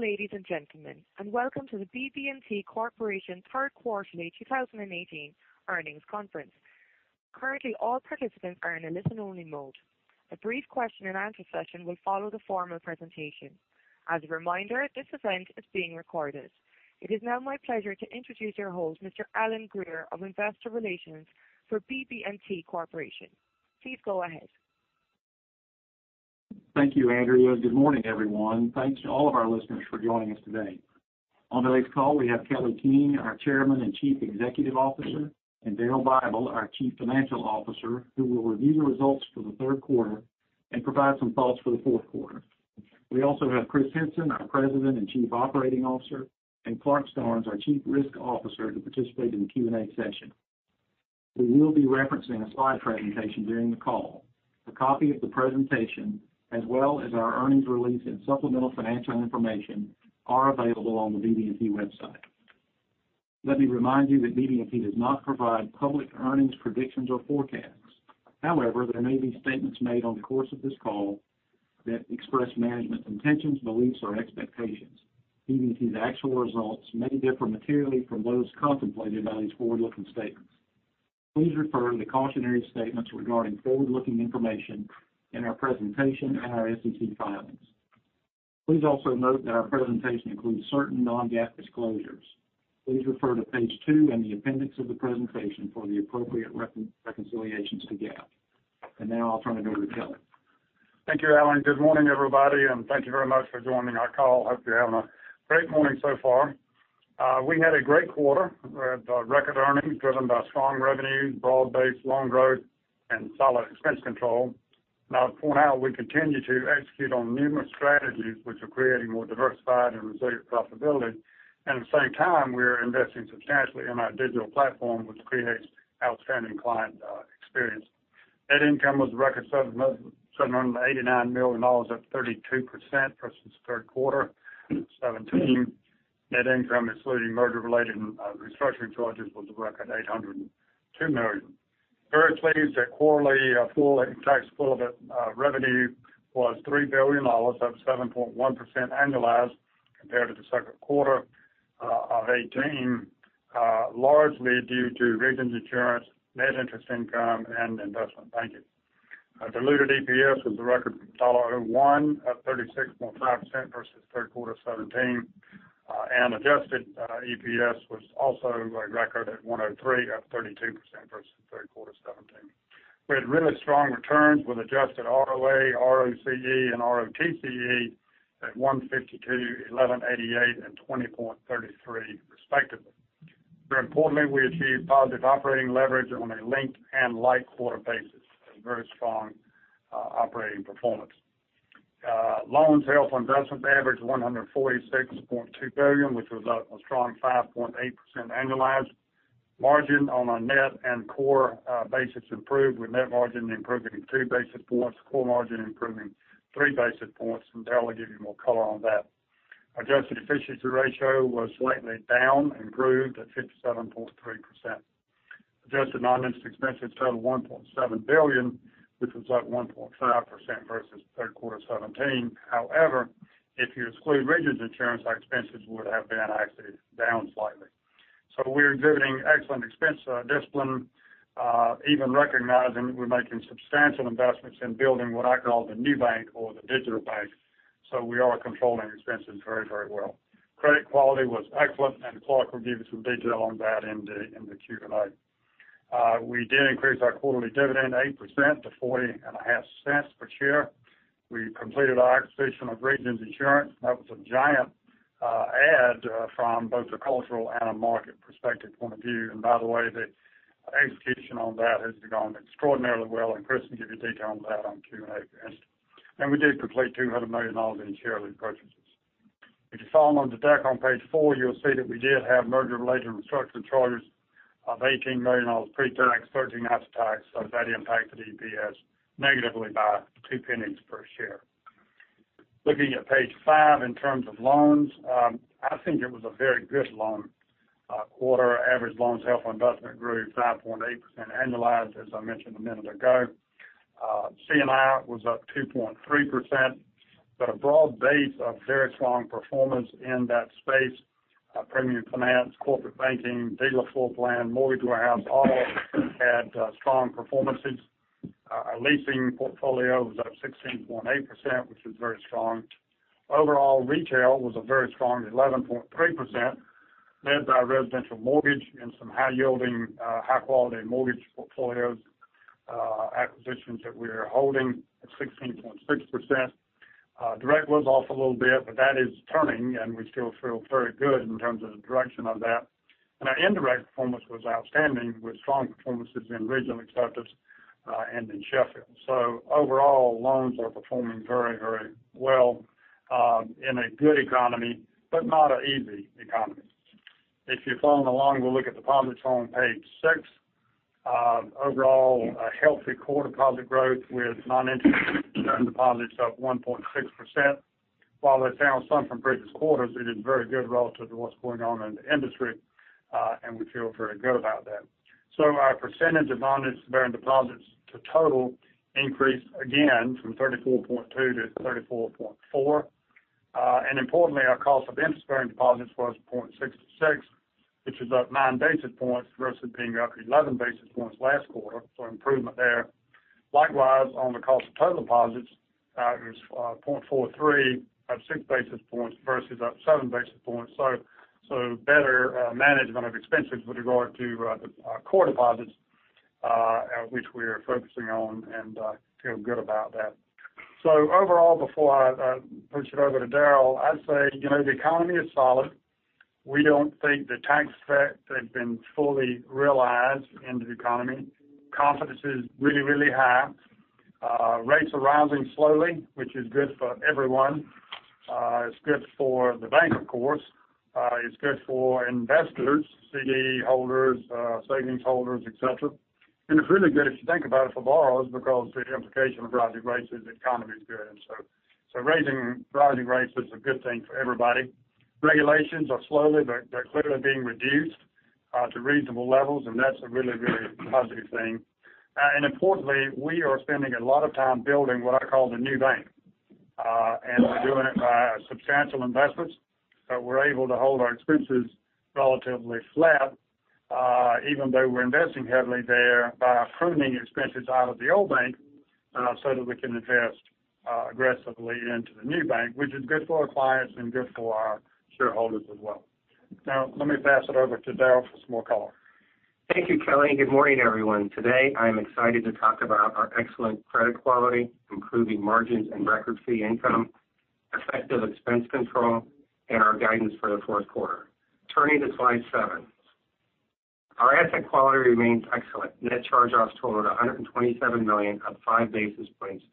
Greetings, ladies and gentlemen, and welcome to the BB&T Corporation third quarterly 2018 earnings conference. Currently, all participants are in a listen-only mode. A brief question and answer session will follow the formal presentation. As a reminder, this event is being recorded. It is now my pleasure to introduce your host, Mr. Alan Greer of investor relations for BB&T Corporation. Please go ahead. Thank you, Andrea. Good morning, everyone. Thanks to all of our listeners for joining us today. On today's call, we have Kelly King, our Chairman and Chief Executive Officer, and Daryl Bible, our Chief Financial Officer, who will review the results for the third quarter and provide some thoughts for the fourth quarter. We also have Chris Henson, our President and Chief Operating Officer, and Clarke Starnes, our Chief Risk Officer, to participate in the Q&A session. We will be referencing a slide presentation during the call. A copy of the presentation, as well as our earnings release and supplemental financial information, are available on the BB&T website. Let me remind you that BB&T does not provide public earnings predictions or forecasts. There may be statements made on the course of this call that express management's intentions, beliefs, or expectations. BB&T's actual results may differ materially from those contemplated by these forward-looking statements. Please refer to the cautionary statements regarding forward-looking information in our presentation and our SEC filings. Please also note that our presentation includes certain non-GAAP disclosures. Please refer to page two in the appendix of the presentation for the appropriate reconciliations to GAAP. Now I'll turn it over to Kelly. Thank you, Alan. Good morning, everybody, thank you very much for joining our call. Hope you're having a great morning so far. We had a great quarter with record earnings driven by strong revenue, broad base loan growth, and solid expense control. Now for now, we continue to execute on numerous strategies which are creating more diversified and reserved profitability. At the same time, we are investing substantially in our digital platform, which creates outstanding client experience. Net income was a record $789 million, up 32% versus third quarter 2017. Net income excluding merger-related restructuring charges was a record $802 million. Very pleased that quarterly after-tax profit revenue was $3 billion, up 7.1% annualized compared to the second quarter of 2018, largely due to Regions Insurance, net interest income, and investment banking. Diluted EPS was a record $1.01, up 36.5% versus third quarter 2017. Adjusted EPS was also a record at $1.03, up 32% versus third quarter 2017. We had really strong returns with adjusted ROA, ROCE, and ROTCE at 1.52%, 11.88%, and 20.33% respectively. Very importantly, we achieved positive operating leverage on a linked and like quarter basis. A very strong operating performance. Loans held for investment averaged $146.2 billion, which was up a strong 5.8% annualized. Margin on our net and core basis improved, with net margin improving two basis points, core margin improving three basis points, Daryl will give you more color on that. Adjusted efficiency ratio was slightly down, improved at 57.3%. Adjusted non-interest expenses totaled $1.7 billion, which was up 1.5% versus third quarter 2017. However, if you exclude Regions Insurance, our expenses would have been actually down slightly. We're exhibiting excellent expense discipline, even recognizing we're making substantial investments in building what I call the new bank or the digital bank. We are controlling expenses very well. Credit quality was excellent, Clarke will give you some detail on that in the Q&A. We did increase our quarterly dividend 8% to $0.405 per share. We completed our acquisition of Regions Insurance. That was a giant add from both a cultural and a market perspective point of view. By the way, the execution on that has gone extraordinarily well, Chris can give you detail on that on Q&A. We did complete $200 million in share repurchases. If you follow along the deck on page four, you'll see that we did have merger-related restructuring charges of $18 million pre-tax, $13 million after-tax. That impacted EPS negatively by $0.02 per share. Looking at page five in terms of loans, I think it was a very good loan quarter. Average loans held for investment grew 5.8% annualized, as I mentioned a minute ago. C&I was up 2.3%, but a broad base of very strong performance in that space. Premium Finance, Corporate Banking, Dealer Floor Plan, Mortgage Warehouse, all had strong performances. Our leasing portfolio was up 16.8%, which is very strong. Overall, retail was a very strong 11.3%, led by residential mortgage and some high-yielding, high-quality mortgage portfolios acquisitions that we are holding at 16.6%. Direct was off a little bit, but that is turning, and we still feel very good in terms of the direction of that. Our indirect performance was outstanding with strong performances in Regional Acceptance and in Sheffield. Overall, loans are performing very well in a good economy, but not an easy economy. If you're following along, we'll look at deposits on page six. Overall, a healthy quarter deposit growth with non-interest deposits up 1.6%. While that's down some from previous quarters, it is very good relative to what's going on in the industry, and we feel very good about that. Our percentage of interest-bearing deposits to total increased again from 34.2% to 34.4%. Importantly, our cost of interest-bearing deposits was 0.66%, which is up nine basis points versus being up 11 basis points last quarter. Improvement there. Likewise, on the cost of total deposits, it was 0.43% up six basis points versus up seven basis points. Better management of expenses with regard to core deposits, which we are focusing on, and feel good about that. Overall, before I push it over to Daryl, I'd say, the economy is solid. We don't think the tax effects have been fully realized in the economy. Confidence is really, really high. Rates are rising slowly, which is good for everyone. It's good for the bank, of course. It's good for investors, CD holders, savings holders, et cetera. It's really good if you think about it for borrowers because the implication of rising rates is the economy is good. Rising rates is a good thing for everybody. Regulations are slowly, but they're clearly being reduced to reasonable levels, and that's a really, really positive thing. Importantly, we are spending a lot of time building what I call the new bank. We're doing it by substantial investments, but we're able to hold our expenses relatively flat, even though we're investing heavily there by pruning expenses out of the old bank so that we can invest aggressively into the new bank, which is good for our clients and good for our shareholders as well. Now, let me pass it over to Daryl for some more color. Thank you, Kelly. Good morning, everyone. Today, I am excited to talk about our excellent credit quality, improving margins and record fee income, effective expense control, and our guidance for the fourth quarter. Turning to slide seven. Our asset quality remains excellent. Net charge-offs totaled $127 million, up five basis points,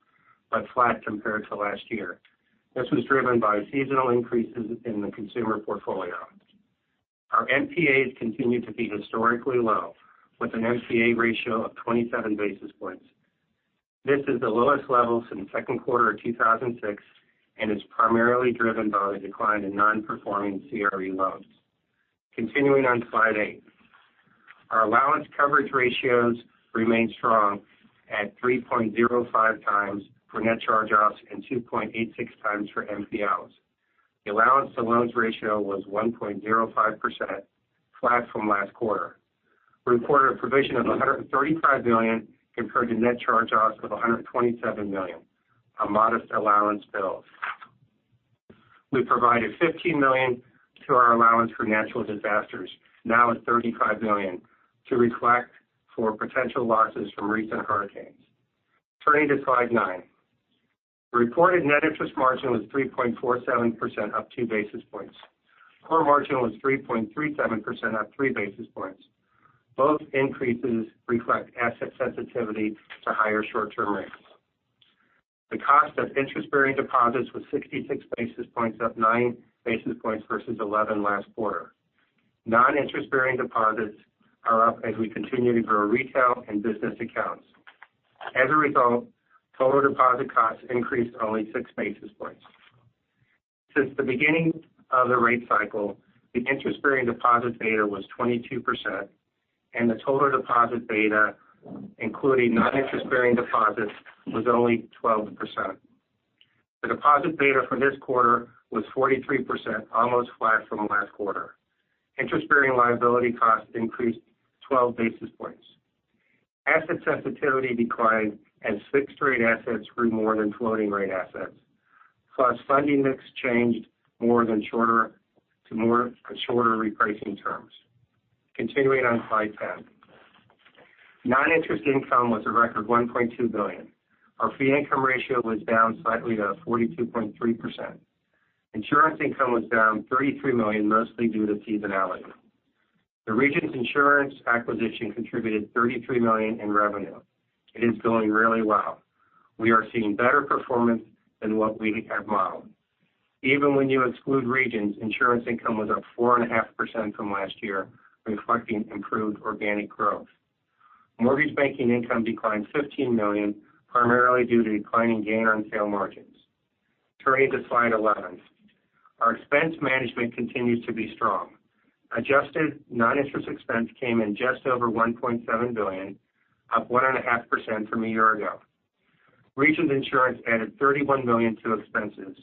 but flat compared to last year. This was driven by seasonal increases in the consumer portfolio. Our NPAs continue to be historically low with an NPA ratio of 27 basis points. This is the lowest level since the second quarter of 2006 and is primarily driven by a decline in non-performing CRE loans. Continuing on slide eight. Our allowance coverage ratios remain strong at 3.05 times for net charge-offs and 2.86 times for NPLs. The allowance to loans ratio was 1.05%, flat from last quarter. We reported a provision of $135 million compared to net charge-offs of $127 million, a modest allowance build. We provided $15 million to our allowance for natural disasters, now at $35 million to reflect for potential losses from recent hurricanes. Turning to slide nine. The reported net interest margin was 3.47%, up two basis points. Core margin was 3.37%, up three basis points. Both increases reflect asset sensitivity to higher short-term rates. The cost of interest-bearing deposits was 66 basis points, up nine basis points versus 11 last quarter. Non-interest-bearing deposits are up as we continue to grow retail and business accounts. As a result, total deposit costs increased only six basis points. Since the beginning of the rate cycle, the interest-bearing deposit beta was 22%, and the total deposit beta, including non-interest-bearing deposits, was only 12%. The deposit beta for this quarter was 43%, almost flat from last quarter. Interest-bearing liability costs increased 12 basis points. Asset sensitivity declined as fixed-rate assets grew more than floating rate assets. Funding mix changed more to shorter repricing terms. Continuing on slide 10. Non-interest income was a record $1.2 billion. Our fee income ratio was down slightly to 42.3%. Insurance income was down $33 million, mostly due to seasonality. The Regions Insurance acquisition contributed $33 million in revenue. It is going really well. We are seeing better performance than what we have modeled. Even when you exclude Regions, insurance income was up 4.5% from last year, reflecting improved organic growth. Mortgage banking income declined $15 million, primarily due to declining gain on sale margins. Turning to slide 11. Our expense management continues to be strong. Adjusted non-interest expense came in just over $1.7 billion, up 1.5% from a year ago. Regions Insurance added $31 million to expenses.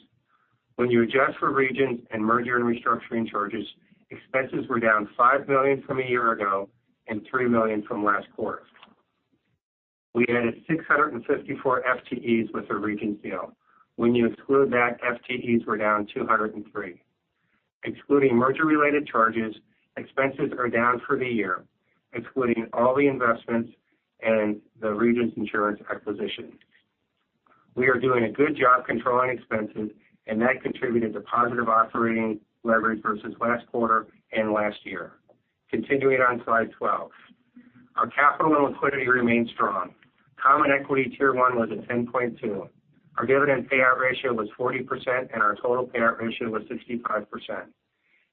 When you adjust for Regions and merger and restructuring charges, expenses were down $5 million from a year ago and $3 million from last quarter. We added 654 FTEs with the Regions deal. When you exclude that, FTEs were down 203. Excluding merger-related charges, expenses are down for the year, excluding all the investments and the Regions Insurance acquisition. We are doing a good job controlling expenses, and that contributed to positive operating leverage versus last quarter and last year. Continuing on slide 12. Our capital and liquidity remain strong. Common Equity Tier 1 was at 10.2. Our dividend payout ratio was 40%, and our total payout ratio was 65%.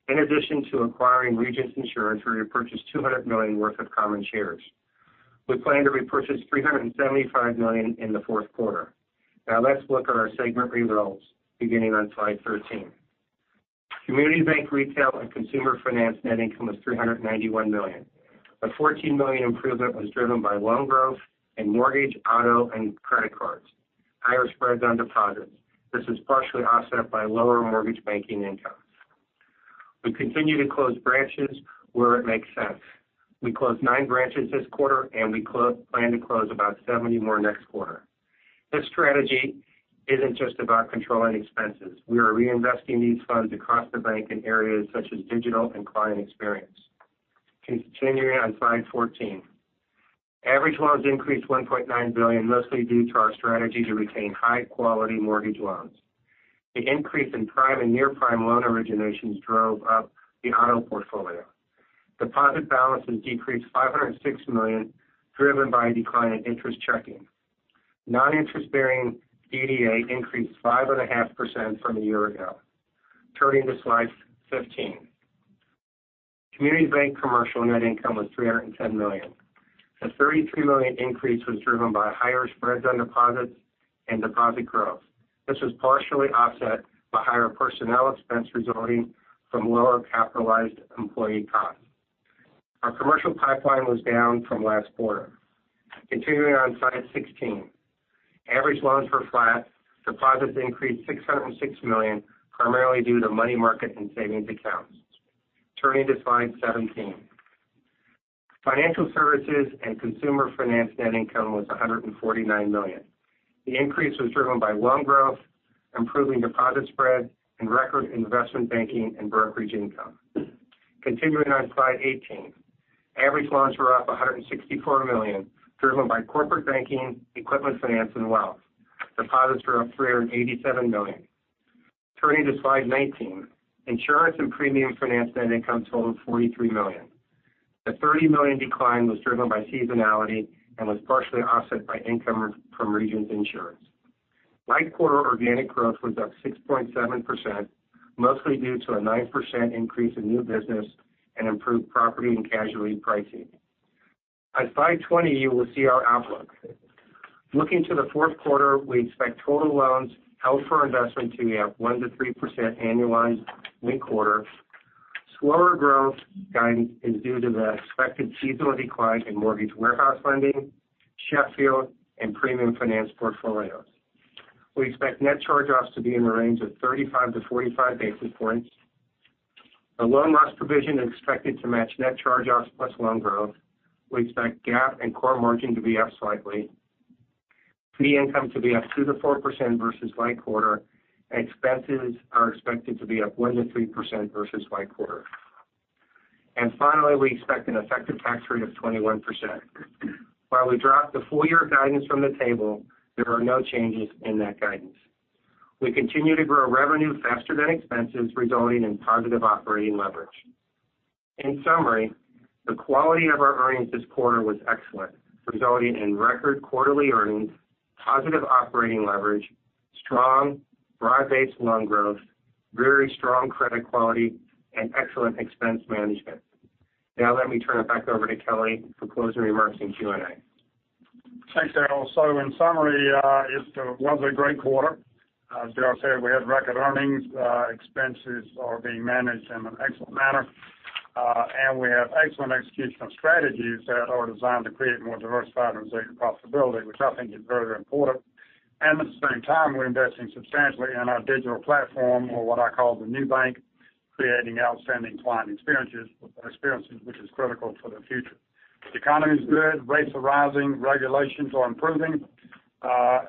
In addition to acquiring Regions Insurance, we repurchased $200 million worth of common shares. We plan to repurchase $375 million in the fourth quarter. Let's look at our segment results beginning on slide 13. Community Bank Retail and Consumer Finance net income was $391 million. A $14 million improvement was driven by loan growth in mortgage, auto, and credit cards, higher spreads on deposits. This was partially offset by lower mortgage banking income. We continue to close branches where it makes sense. We closed nine branches this quarter, and we plan to close about 70 more next quarter. This strategy isn't just about controlling expenses. We are reinvesting these funds across the bank in areas such as digital and client experience. Continuing on slide 14. Average loans increased $1.9 billion, mostly due to our strategy to retain high-quality mortgage loans. The increase in prime and near-prime loan originations drove up the auto portfolio. Deposit balances decreased $506 million, driven by a decline in interest checking. Non-interest-bearing DDA increased 5.5% from a year ago. Turning to slide 15. Community Bank Commercial net income was $310 million. The $33 million increase was driven by higher spreads on deposits and deposit growth. This was partially offset by higher personnel expense resulting from lower capitalized employee costs. Our commercial pipeline was down from last quarter. Continuing on slide 16. Average loans were flat. Deposits increased $606 million, primarily due to money market and savings accounts. Turning to slide 17. Financial Services and Consumer Finance net income was $149 million. The increase was driven by loan growth, improving deposit spread, and record investment banking and brokerage income. Continuing on slide 18. Average loans were up $164 million, driven by Corporate Banking, equipment finance, and wealth. Deposits were up $387 million. Turning to slide 19. Insurance and Premium Finance net income totaled $43 million. The $30 million decline was driven by seasonality and was partially offset by income from Regions Insurance. Like-quarter organic growth was up 6.7%, mostly due to a 9% increase in new business and improved property and casualty pricing. On slide 20, you will see our outlook. Looking to the fourth quarter, we expect total loans held for investment to be up 1%-3% annualized link-quarter. Slower growth guidance is due to the expected seasonal decline in Mortgage Warehouse Lending, Sheffield, and Premium Finance portfolios. We expect net charge-offs to be in the range of 35-45 basis points. The loan loss provision is expected to match net charge-offs plus loan growth. We expect GAAP and core margin to be up slightly. Fee income to be up 2%-4% versus like quarter, expenses are expected to be up 1%-3% versus like quarter. Finally, we expect an effective tax rate of 21%. While we dropped the full-year guidance from the table, there are no changes in that guidance. We continue to grow revenue faster than expenses, resulting in positive operating leverage. In summary, the quality of our earnings this quarter was excellent, resulting in record quarterly earnings, positive operating leverage, strong broad-based loan growth, very strong credit quality, and excellent expense management. Now let me turn it back over to Kelly for closing remarks and Q&A. Thanks, Daryl. In summary, it's been a lovely, great quarter. As Daryl said, we have record earnings. Expenses are being managed in an excellent manner. We have excellent execution of strategies that are designed to create more diversified and resilient profitability, which I think is very important. At the same time, we're investing substantially in our digital platform or what I call the new bank, creating outstanding client experiences, which is critical for the future. The economy is good. Rates are rising. Regulations are improving.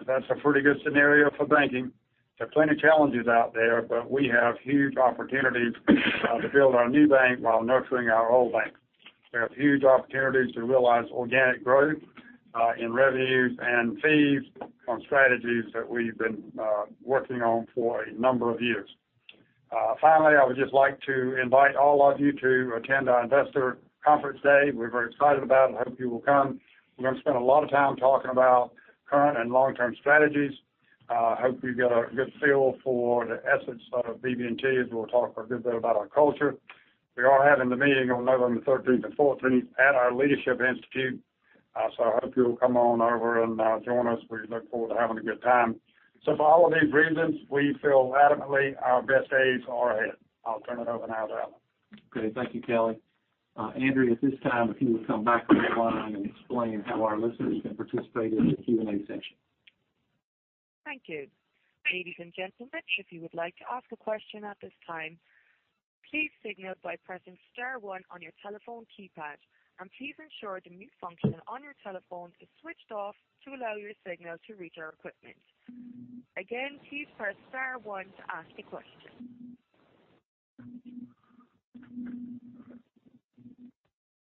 That's a pretty good scenario for banking. There are plenty of challenges out there, we have huge opportunities to build our new bank while nurturing our old bank. We have huge opportunities to realize organic growth in revenues and fees on strategies that we've been working on for a number of years. Finally, I would just like to invite all of you to attend our investor conference day. We're very excited about it. I hope you will come. We're going to spend a lot of time talking about current and long-term strategies. I hope you get a good feel for the essence of BB&T, as we'll talk a good bit about our culture. We are having the meeting on November 13th and 14th at our Leadership Institute, I hope you'll come on over and join us. We look forward to having a good time. For all of these reasons, we feel adamantly our best days are ahead. I'll turn it over now to Alan. Great. Thank you, Kelly. Andrea, at this time, if you would come back on the line and explain how our listeners can participate in the Q&A session. Thank you. Ladies and gentlemen, if you would like to ask a question at this time, please signal by pressing star one on your telephone keypad, and please ensure the mute function on your telephone is switched off to allow your signal to reach our equipment. Please press star one to ask a question.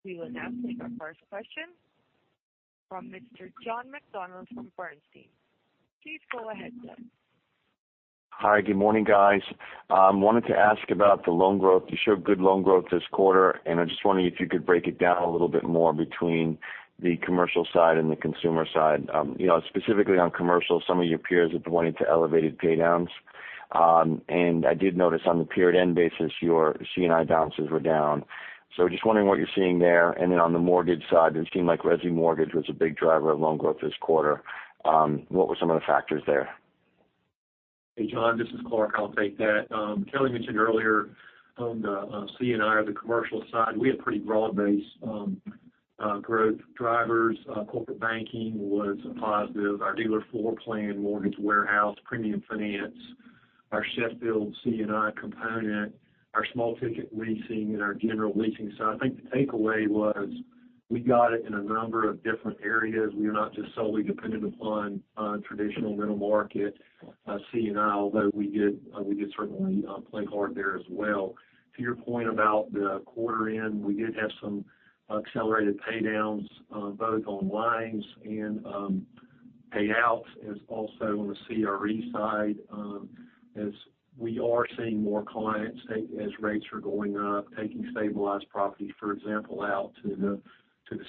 We will now take our first question from Mr. John McDonald from Bernstein. Please go ahead, John. Hi. Good morning, guys. Wanted to ask about the loan growth. You showed good loan growth this quarter, I'm just wondering if you could break it down a little bit more between the commercial side and the consumer side. Specifically on commercial, some of your peers have pointed to elevated pay-downs. I did notice on the period-end basis, your C&I balances were down. Just wondering what you're seeing there. On the mortgage side, it seemed like resi mortgage was a big driver of loan growth this quarter. What were some of the factors there? Hey, John, this is Clarke. I'll take that. Kelly mentioned earlier on the C&I of the commercial side, we had pretty broad-based growth drivers. Corporate Banking was a positive. Our Dealer Floor Plan, Mortgage Warehouse, Premium Finance, our Sheffield C&I component, our small ticket leasing, and our general leasing. I think the takeaway was we got it in a number of different areas. We are not just solely dependent upon traditional middle market C&I, although we did certainly play hard there as well. To your point about the quarter end, we did have some accelerated paydowns both on lines and payouts as also on the CRE side, as we are seeing more clients, as rates are going up, taking stabilized properties, for example, out to the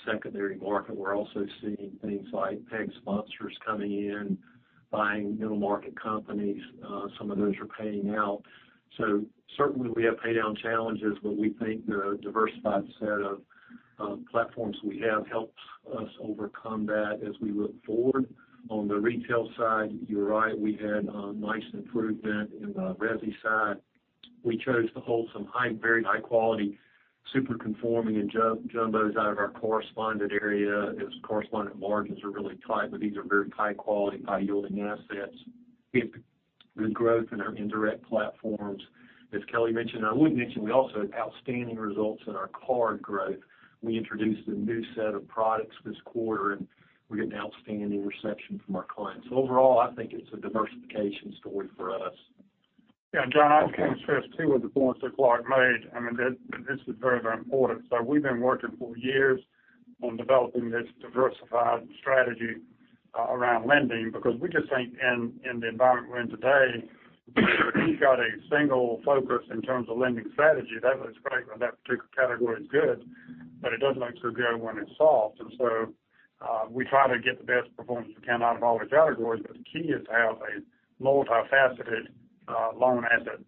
secondary market. We're also seeing things like PE sponsors coming in, buying middle-market companies. Some of those are paying out. Certainly, we have paydown challenges, but we think the diversified set of platforms we have helps us overcome that as we look forward. On the retail side, you're right, we had a nice improvement in the resi side. We chose to hold some very high-quality, super conforming and jumbos out of our correspondent area, as correspondent margins are really tight, but these are very high-quality, high-yielding assets. We have good growth in our indirect platforms, as Kelly mentioned. I would mention we also had outstanding results in our card growth. We introduced a new set of products this quarter, we're getting outstanding reception from our clients. Overall, I think it's a diversification story for us. Yeah, John, I would kind of stress too with the points that Clarke made, I mean, this is very, very important. We've been working for years on developing this diversified strategy around lending because we just think in the environment we're in today, if you've got a single focus in terms of lending strategy, that looks great when that particular category is good, but it doesn't look so good when it's soft. We try to get the best performance we can out of all the categories. The key is to have a multifaceted loan asset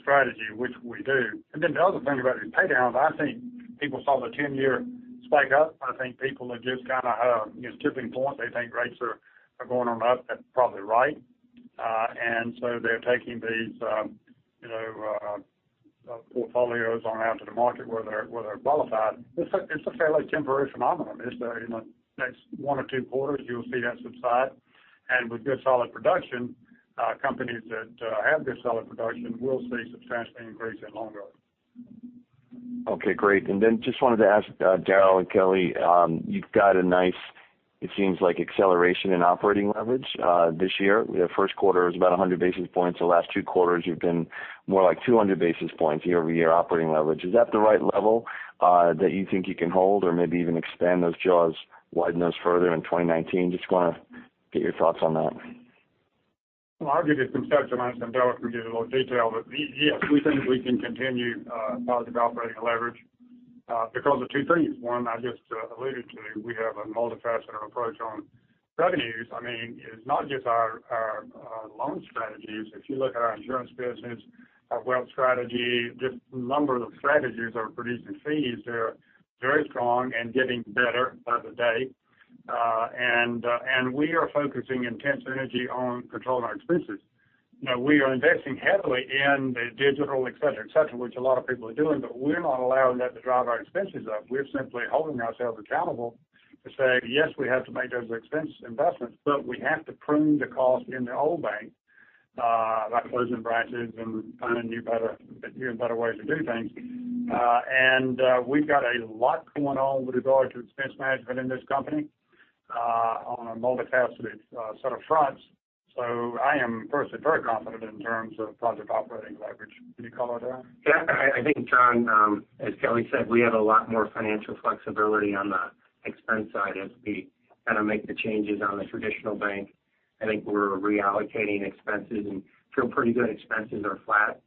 strategy, which we do. The other thing about these paydowns, I think people saw the 10-year spike up. I think people are just kind of, tipping point. They think rates are going on up. That's probably right. They're taking these portfolios on out to the market where they're qualified. It's a fairly temporary phenomenon. In the next one or two quarters, you'll see that subside. With good solid production, companies that have good solid production will see substantial increase in loan growth. Okay, great. Just wanted to ask Daryl and Kelly, you've got a nice, it seems like acceleration in operating leverage this year. The first quarter is about 100 basis points. The last two quarters, you've been more like 200 basis points year-over-year operating leverage. Is that the right level that you think you can hold or maybe even expand those jaws, widen those further in 2019? Just want to get your thoughts on that. I'll give you some thoughts. Daryl can give you a little detail. Yes, we think we can continue positive operating leverage because of two things. One, I just alluded to, we have a multifaceted approach on revenues. I mean, it's not just our loan strategies. If you look at our insurance business, our wealth strategy, just number of strategies are producing fees. They're very strong and getting better by the day. We are focusing intense energy on controlling our expenses. We are investing heavily in the digital et cetera, which a lot of people are doing, but we're not allowing that to drive our expenses up. We're simply holding ourselves accountable to say, "Yes, we have to make those expense investments," but we have to prune the cost in the old bank, like closing branches and finding even better ways to do things. We've got a lot going on with regard to expense management in this company on a multifaceted set of fronts. I am personally very confident in terms of positive operating leverage. Can you comment, Daryl? John, as Kelly said, we have a lot more financial flexibility on the expense side as we kind of make the changes on the traditional bank. We're reallocating expenses and feel pretty good expenses are flat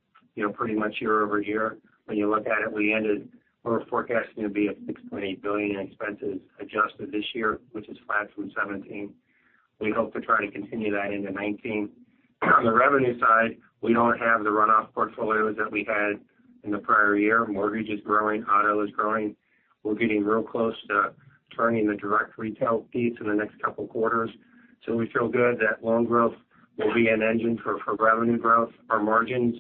pretty much year-over-year. When you look at it, we're forecasting to be at $6.8 billion in expenses adjusted this year, which is flat from 2017. We hope to try to continue that into 2019. On the revenue side, we don't have the runoff portfolios that we had in the prior year. Mortgage is growing, auto is growing. We're getting real close to turning the direct retail fees in the next 2 quarters. We feel good that loan growth will be an engine for revenue growth. Our margins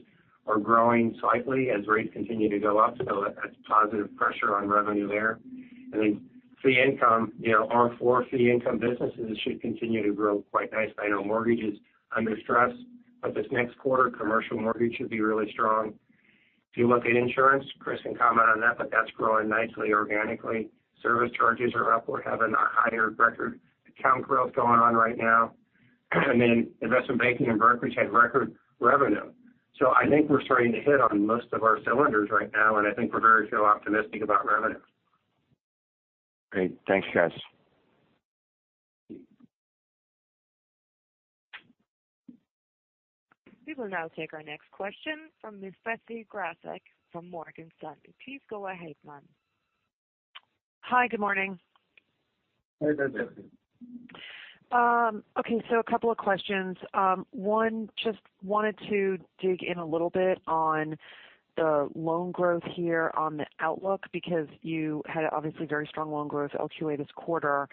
are growing slightly as rates continue to go up, so that's positive pressure on revenue there. Fee income, our 4 fee income businesses should continue to grow quite nicely. I know mortgage is under stress, but this next quarter, commercial mortgage should be really strong. If you look at insurance, Chris can comment on that, but that's growing nicely organically. Service charges are up. We're having a higher record account growth going on right now. Investment banking and brokerage had record revenue. We're starting to hit on most of our cylinders right now, and we're very optimistic about revenue. Great. Thanks, guys. We will now take our next question from Ms. Betsy Graseck from Morgan Stanley. Please go ahead, ma'am. Hi, good morning. Hi, Betsy. Okay, a couple of questions. One, just wanted to dig in a little bit on the loan growth here on the outlook, because you had obviously very strong loan growth LQA this quarter,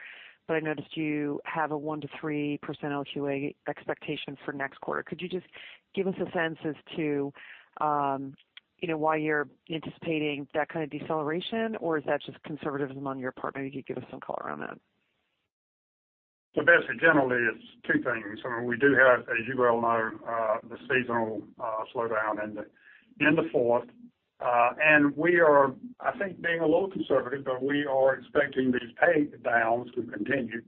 but I noticed you have a 1%-3% LQA expectation for next quarter. Could you just give us a sense as to why you're anticipating that kind of deceleration? Or is that just conservatism on your part? Maybe you could give us some color around that. Betsy, generally, it's two things. I mean, we do have, as you well know, the seasonal slowdown in the fourth. We are, I think, being a little conservative, but we are expecting these pay downs to continue.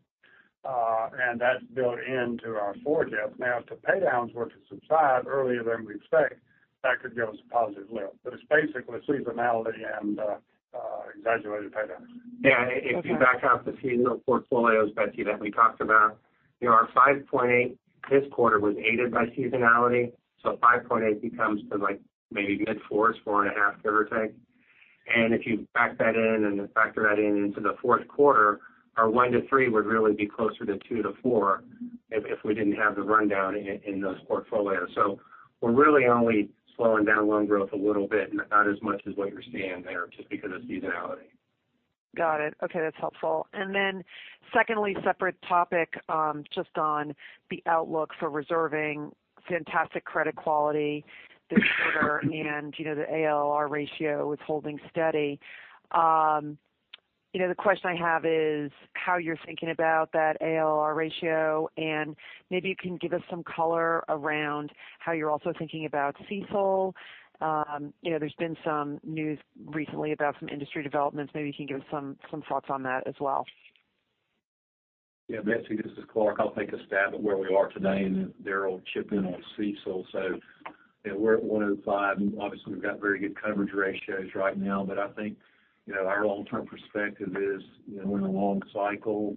That's built into our forecast. Now, if the pay downs were to subside earlier than we expect, that could give us a positive lift. It's basically seasonality and exaggerated pay downs. Yeah. If you back out the seasonal portfolios, Betsy, that we talked about, our 5.8% this quarter was aided by seasonality. 5.8% becomes to maybe mid-fours, 4.5% give or take. If you back that in and factor that in into the fourth quarter, our 1%-3% would really be closer to 2%-4% if we didn't have the rundown in those portfolios. We're really only slowing down loan growth a little bit, not as much as what you're seeing there, just because of seasonality. Got it. Okay, that's helpful. Then secondly, separate topic, just on the outlook for reserving. Fantastic credit quality this quarter. The ALLL ratio is holding steady. The question I have is how you're thinking about that ALLL ratio, and maybe you can give us some color around how you're also thinking about CECL. There's been some news recently about some industry developments. Maybe you can give us some thoughts on that as well. Betsy, this is Clarke. I'll take a stab at where we are today, then Daryl will chip in on CECL. We're at 105, obviously, we've got very good coverage ratios right now. I think our long-term perspective is we're in a long cycle.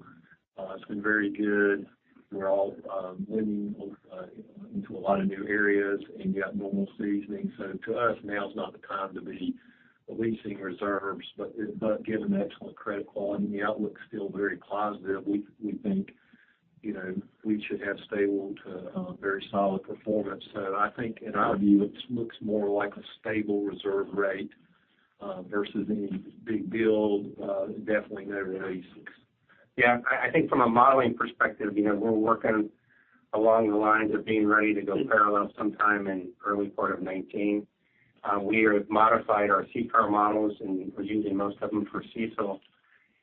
It's been very good. We're all lending into a lot of new areas, you've got normal seasoning. To us, now is not the time to be releasing reserves. Given the excellent credit quality, the outlook's still very positive. We think we should have stable to very solid performance. I think in our view, it looks more like a stable reserve rate versus any big build. Definitely nowhere near 86. I think from a modeling perspective, we're working along the lines of being ready to go parallel sometime in early part of 2019. We have modified our CCAR models, we're using most of them for CECL.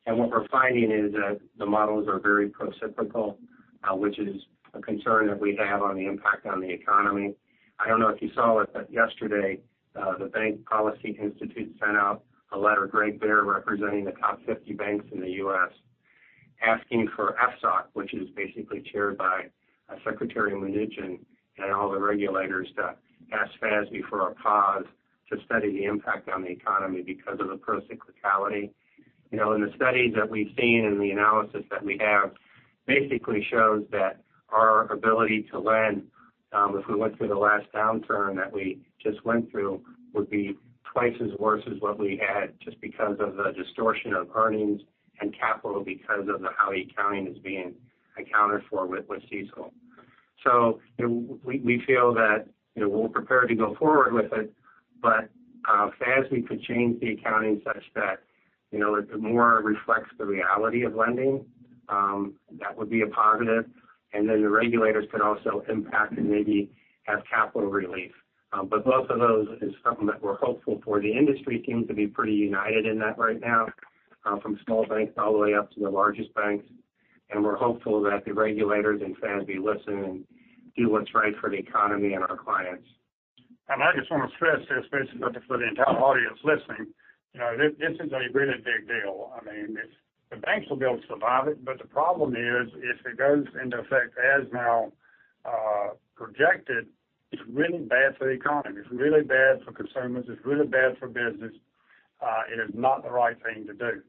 What we're finding is that the models are very procyclical, which is a concern that we have on the impact on the economy. I don't know if you saw it, yesterday, the Bank Policy Institute sent out a letter, Greg Baer, representing the top 50 banks in the U.S., asking for FSOC, which is basically chaired by Secretary Mnuchin and all the regulators to ask FASB for a pause to study the impact on the economy because of the procyclicality. In the studies that we've seen, the analysis that we have basically shows that our ability to lend, if we went through the last downturn that we just went through, would be twice as worse as what we had just because of the distortion of earnings and capital because of how the accounting is being accounted for with CECL. We feel that we're prepared to go forward with it, if FASB could change the accounting such that it more reflects the reality of lending, that would be a positive. The regulators could also impact and maybe have capital relief. Both of those is something that we're hopeful for. The industry seems to be pretty united in that right now, from small banks all the way up to the largest banks. We're hopeful that the regulators and FASB listen and do what's right for the economy and our clients. I just want to stress this, Betsy, but just for the entire audience listening, this is a really big deal. I mean, the banks will be able to survive it, but the problem is, if it goes into effect as now projected, it is really bad for the economy. It is really bad for consumers. It is really bad for business. It is not the right thing to do.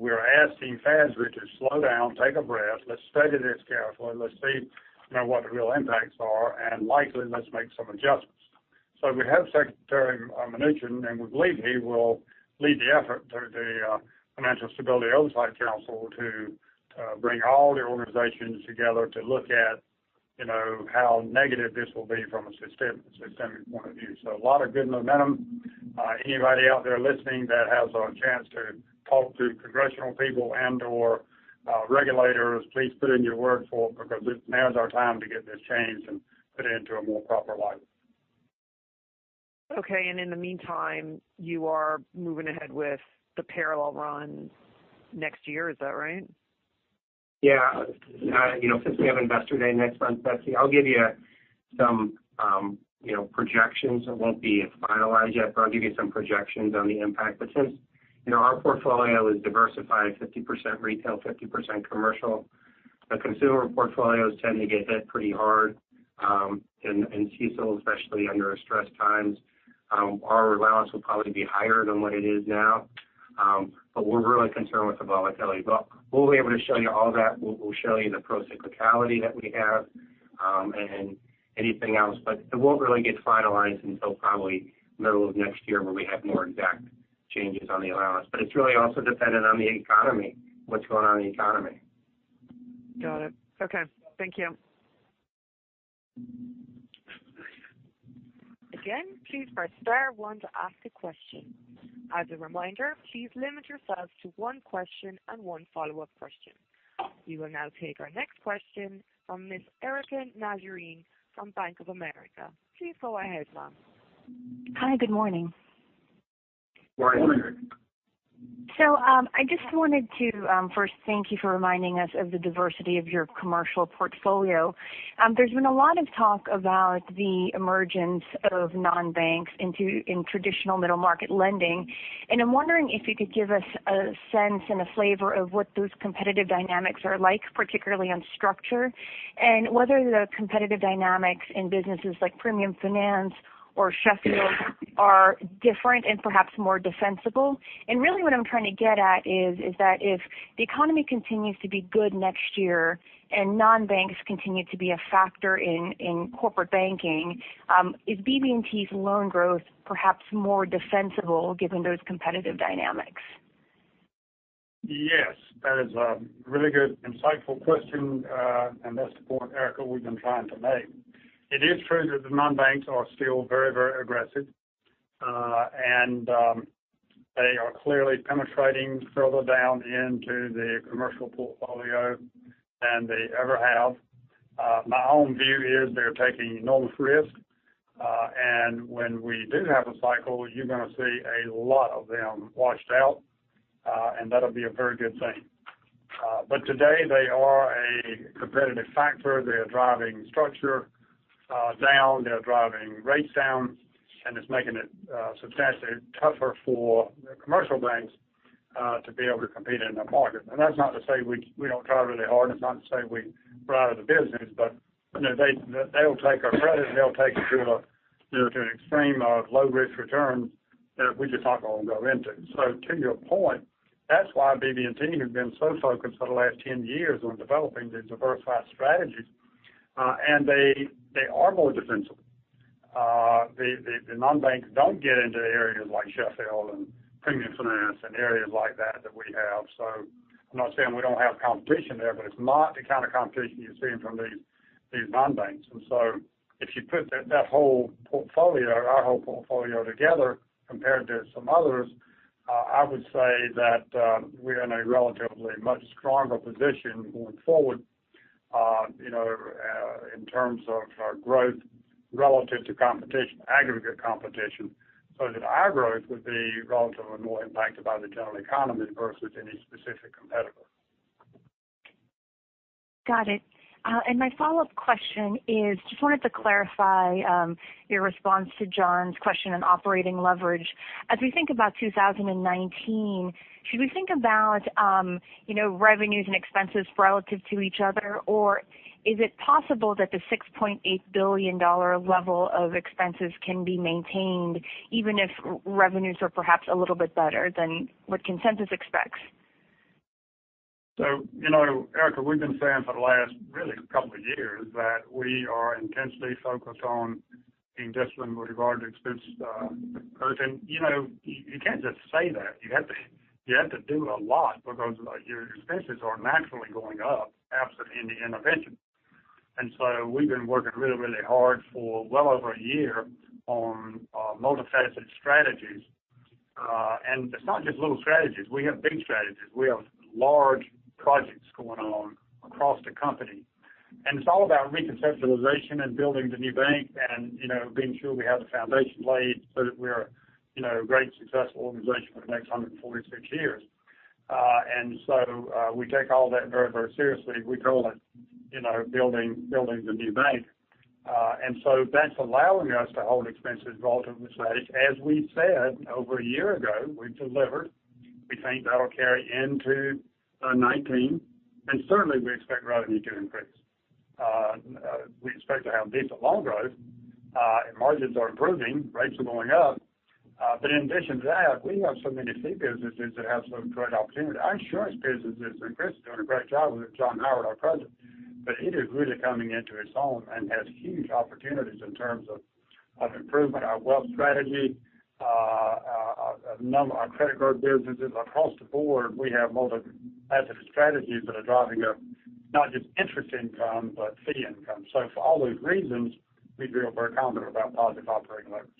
We are asking FASB to slow down, take a breath. Let us study this carefully. Let us see what the real impacts are, and likely, let us make some adjustments. We have Secretary Steven Mnuchin, and we believe he will lead the effort through the Financial Stability Oversight Council to bring all the organizations together to look at how negative this will be from a systemic point of view. A lot of good momentum. Anybody out there listening that has a chance to talk to congressional people and/or regulators, please put in your word for it because now is our time to get this changed and put it into a more proper light. Okay. In the meantime, you are moving ahead with the parallel run next year. Is that right? Yeah. Since we have Investor Day next month, Betsy, I will give you some projections. It will not be finalized yet, but I will give you some projections on the impact. Since our portfolio is diversified 50% retail, 50% commercial, the consumer portfolios tend to get hit pretty hard in CECL, especially under stressed times. Our allowance will probably be higher than what it is now, but we are really concerned with the volatility. We will be able to show you all that. We will show you the procyclicality that we have. Anything else, it won't really get finalized until probably middle of next year where we have more exact changes on the allowance. It's really also dependent on the economy, what's going on in the economy. Got it. Okay. Thank you. Again, please press star one to ask a question. As a reminder, please limit yourselves to one question and one follow-up question. We will now take our next question from Miss Erika Najarian from Bank of America. Please go ahead, ma'am. Hi, good morning. Morning. Morning. I just wanted to first thank you for reminding us of the diversity of your commercial portfolio. There's been a lot of talk about the emergence of non-banks in traditional middle-market lending, and I'm wondering if you could give us a sense and a flavor of what those competitive dynamics are like, particularly on structure, and whether the competitive dynamics in businesses like Premium Finance or Sheffield are different and perhaps more defensible. Really what I'm trying to get at is that if the economy continues to be good next year and non-banks continue to be a factor in Corporate Banking, is BB&T's loan growth perhaps more defensible given those competitive dynamics? Yes, that is a really good, insightful question. That's the point, Erika, we've been trying to make. It is true that the non-banks are still very aggressive. They are clearly penetrating further down into the commercial portfolio than they ever have. My own view is they're taking enormous risks. When we do have a cycle, you're going to see a lot of them washed out. That'll be a very good thing. Today they are a competitive factor. They are driving structure down, they're driving rates down, and it's making it substantially tougher for the commercial banks to be able to compete in the market. That's not to say we don't try really hard, and it's not to say we're out of the business, but they'll take a credit, and they'll take it to an extreme of low-risk return that we just aren't going to go into. To your point, that's why BB&T has been so focused for the last 10 years on developing these diversified strategies. They are more defensible. The non-banks don't get into areas like Sheffield and Premium Finance and areas like that we have. I'm not saying we don't have competition there, but it's not the kind of competition you're seeing from these non-banks. If you put that whole portfolio, our whole portfolio together compared to some others, I would say that we're in a relatively much stronger position going forward in terms of our growth relative to competition, aggregate competition, that our growth would be relatively more impacted by the general economy versus any specific competitor. Got it. My follow-up question is, just wanted to clarify your response to John's question on operating leverage. As we think about 2019, should we think about revenues and expenses relative to each other? Or is it possible that the $6.8 billion level of expenses can be maintained even if revenues are perhaps a little bit better than what consensus expects? Erika, we've been saying for the last really couple of years that we are intensely focused on being disciplined with regard to expense growth. You can't just say that. You have to do a lot because your expenses are naturally going up absent any intervention. We've been working really hard for well over a year on multifaceted strategies. It's not just little strategies. We have big strategies. We have large projects going on across the company, and it's all about reconceptualization and building the new bank and being sure we have the foundation laid so that we're a great, successful organization for the next 146 years. We take all that very seriously. We call it building the new bank. That's allowing us to hold expenses relatively steady. As we said over a year ago, we've delivered. We think that'll carry into 2019. Certainly, we expect revenue to increase. We expect to have decent loan growth. Margins are improving. Rates are going up. In addition to that, we have so many fee businesses that have some great opportunity. Our insurance business is increasing, doing a great job with John Howard, our president. It is really coming into its own and has huge opportunities in terms of improvement, our wealth strategy, our credit card businesses. Across the board, we have multifaceted strategies that are driving up not just interest income, but fee income. For all those reasons, we feel very confident about positive operating leverage.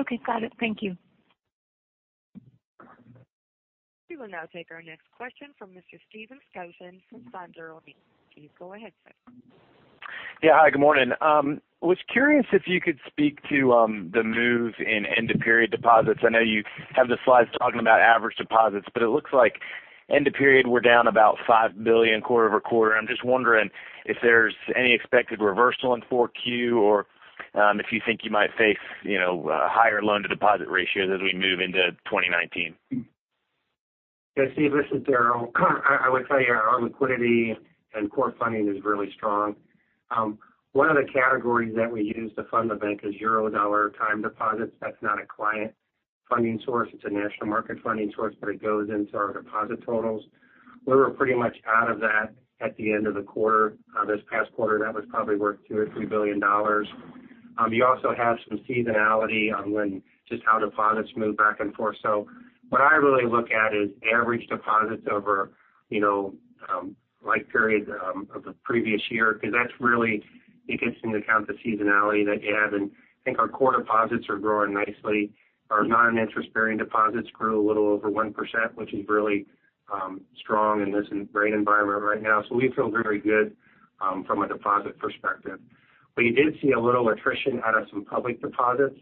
Okay. Got it. Thank you. We will now take our next question from Mr. Stephen Stone from SunTrust Robinson Humphrey. Please go ahead, sir. Yeah. Hi, good morning. Was curious if you could speak to the move in end-of-period deposits. I know you have the slides talking about average deposits, but it looks like end of period, we're down about $5 billion quarter-over-quarter. I'm just wondering if there's any expected reversal in 4Q or if you think you might face higher loan-to-deposit ratios as we move into 2019. Yeah, Steve, this is Daryl. I would tell you our liquidity and core funding is really strong. One of the categories that we use to fund the bank is Eurodollar time deposits. That's not a client Funding source. It's a national market funding source, but it goes into our deposit totals. We were pretty much out of that at the end of the quarter. This past quarter, that was probably worth $2 billion or $3 billion. You also have some seasonality on just how deposits move back and forth. What I really look at is average deposits over like periods of the previous year, because that really takes into account the seasonality that you have. I think our core deposits are growing nicely. Our non-interest-bearing deposits grew a little over 1%, which is really strong in this rate environment right now. We feel very good from a deposit perspective. You did see a little attrition out of some public deposits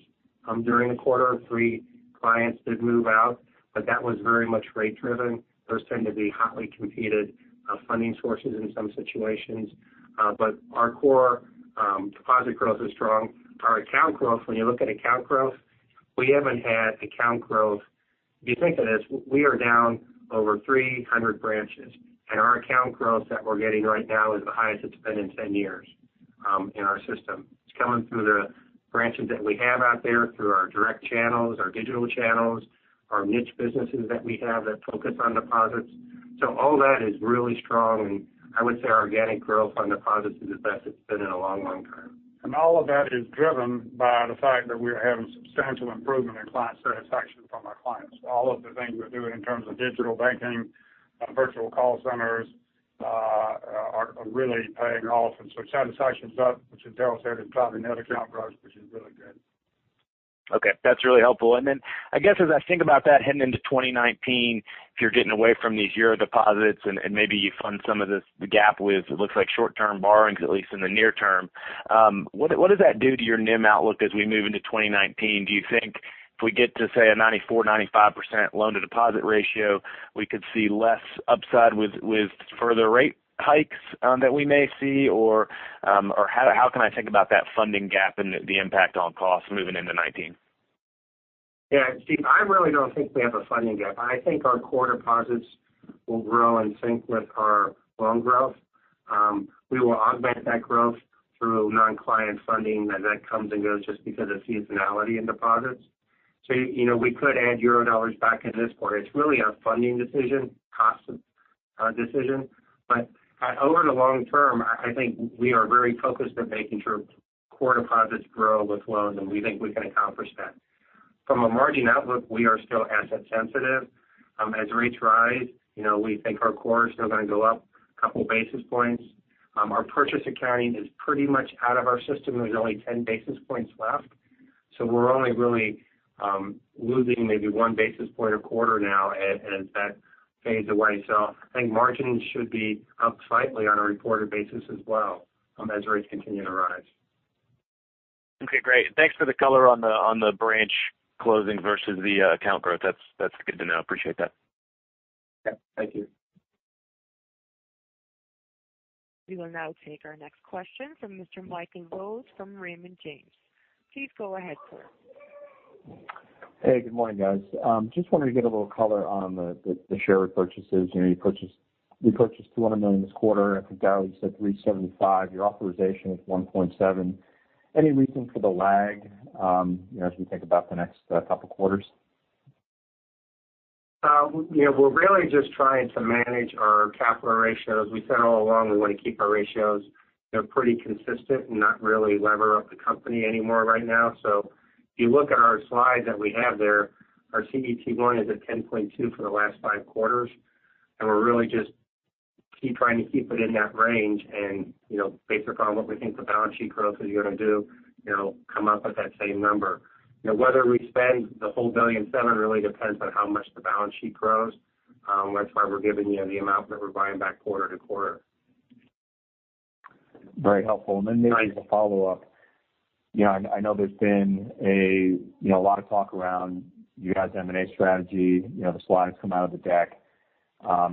during the quarter. Three clients did move out, but that was very much rate driven. Those tend to be hotly competed funding sources in some situations. Our core deposit growth is strong. Our account growth, when you look at account growth, we haven't had account growth. If you think of this, we are down over 300 branches, our account growth that we're getting right now is the highest it's been in 10 years in our system. It's coming through the branches that we have out there, through our direct channels, our digital channels, our niche businesses that we have that focus on deposits. All that is really strong, and I would say our organic growth on deposits is the best it's been in a long, long time. All of that is driven by the fact that we're having substantial improvement in client satisfaction from our clients. All of the things we're doing in terms of digital banking, virtual call centers, are really paying off. Satisfaction's up, which, as Daryl said, is driving net account growth, which is really good. Okay, that's really helpful. I guess as I think about that heading into 2019, if you're getting away from these Euro deposits and maybe you fund some of this, the gap with, it looks like short-term borrowings, at least in the near term. What does that do to your NIM outlook as we move into 2019? Do you think if we get to, say, a 94%-95% loan to deposit ratio, we could see less upside with further rate hikes that we may see? Or how can I think about that funding gap and the impact on costs moving into 2019? Yeah, Steve, I really don't think we have a funding gap. I think our core deposits will grow in sync with our loan growth. We will augment that growth through non-client funding, that comes and goes just because of seasonality in deposits. We could add Eurodollars back at this point. It's really a funding decision, cost decision. Over the long term, I think we are very focused on making sure core deposits grow with loans, and we think we can accomplish that. From a margin outlook, we are still asset sensitive. As rates rise, we think our core is still going to go up a couple of basis points. Our purchase accounting is pretty much out of our system. There's only 10 basis points left, so we're only really losing maybe one basis point a quarter now as that fades away. I think margins should be up slightly on a reported basis as well as rates continue to rise. Okay, great. Thanks for the color on the branch closings versus the account growth. That's good to know. Appreciate that. Yeah. Thank you. We will now take our next question from Mr. Michael Rose from Raymond James. Please go ahead, sir. Hey, good morning, guys. Just wanted to get a little color on the share repurchases. You purchased $200 million this quarter. I think, Daryl, you said $375. Your authorization was $1.7. Any reason for the lag as we think about the next couple of quarters? We're really just trying to manage our capital ratios. We said all along we want to keep our ratios pretty consistent and not really lever up the company any more right now. If you look at our slides that we have there, our CET1 is at 10.2 for the last five quarters, and we're really just trying to keep it in that range and based upon what we think the balance sheet growth is going to do, come up with that same number. Whether we spend the whole $1.7 billion really depends on how much the balance sheet grows. That's why we're giving you the amount that we're buying back quarter to quarter. Very helpful. Then maybe as a follow-up. I know there's been a lot of talk around you guys' M&A strategy. The slides come out of the deck.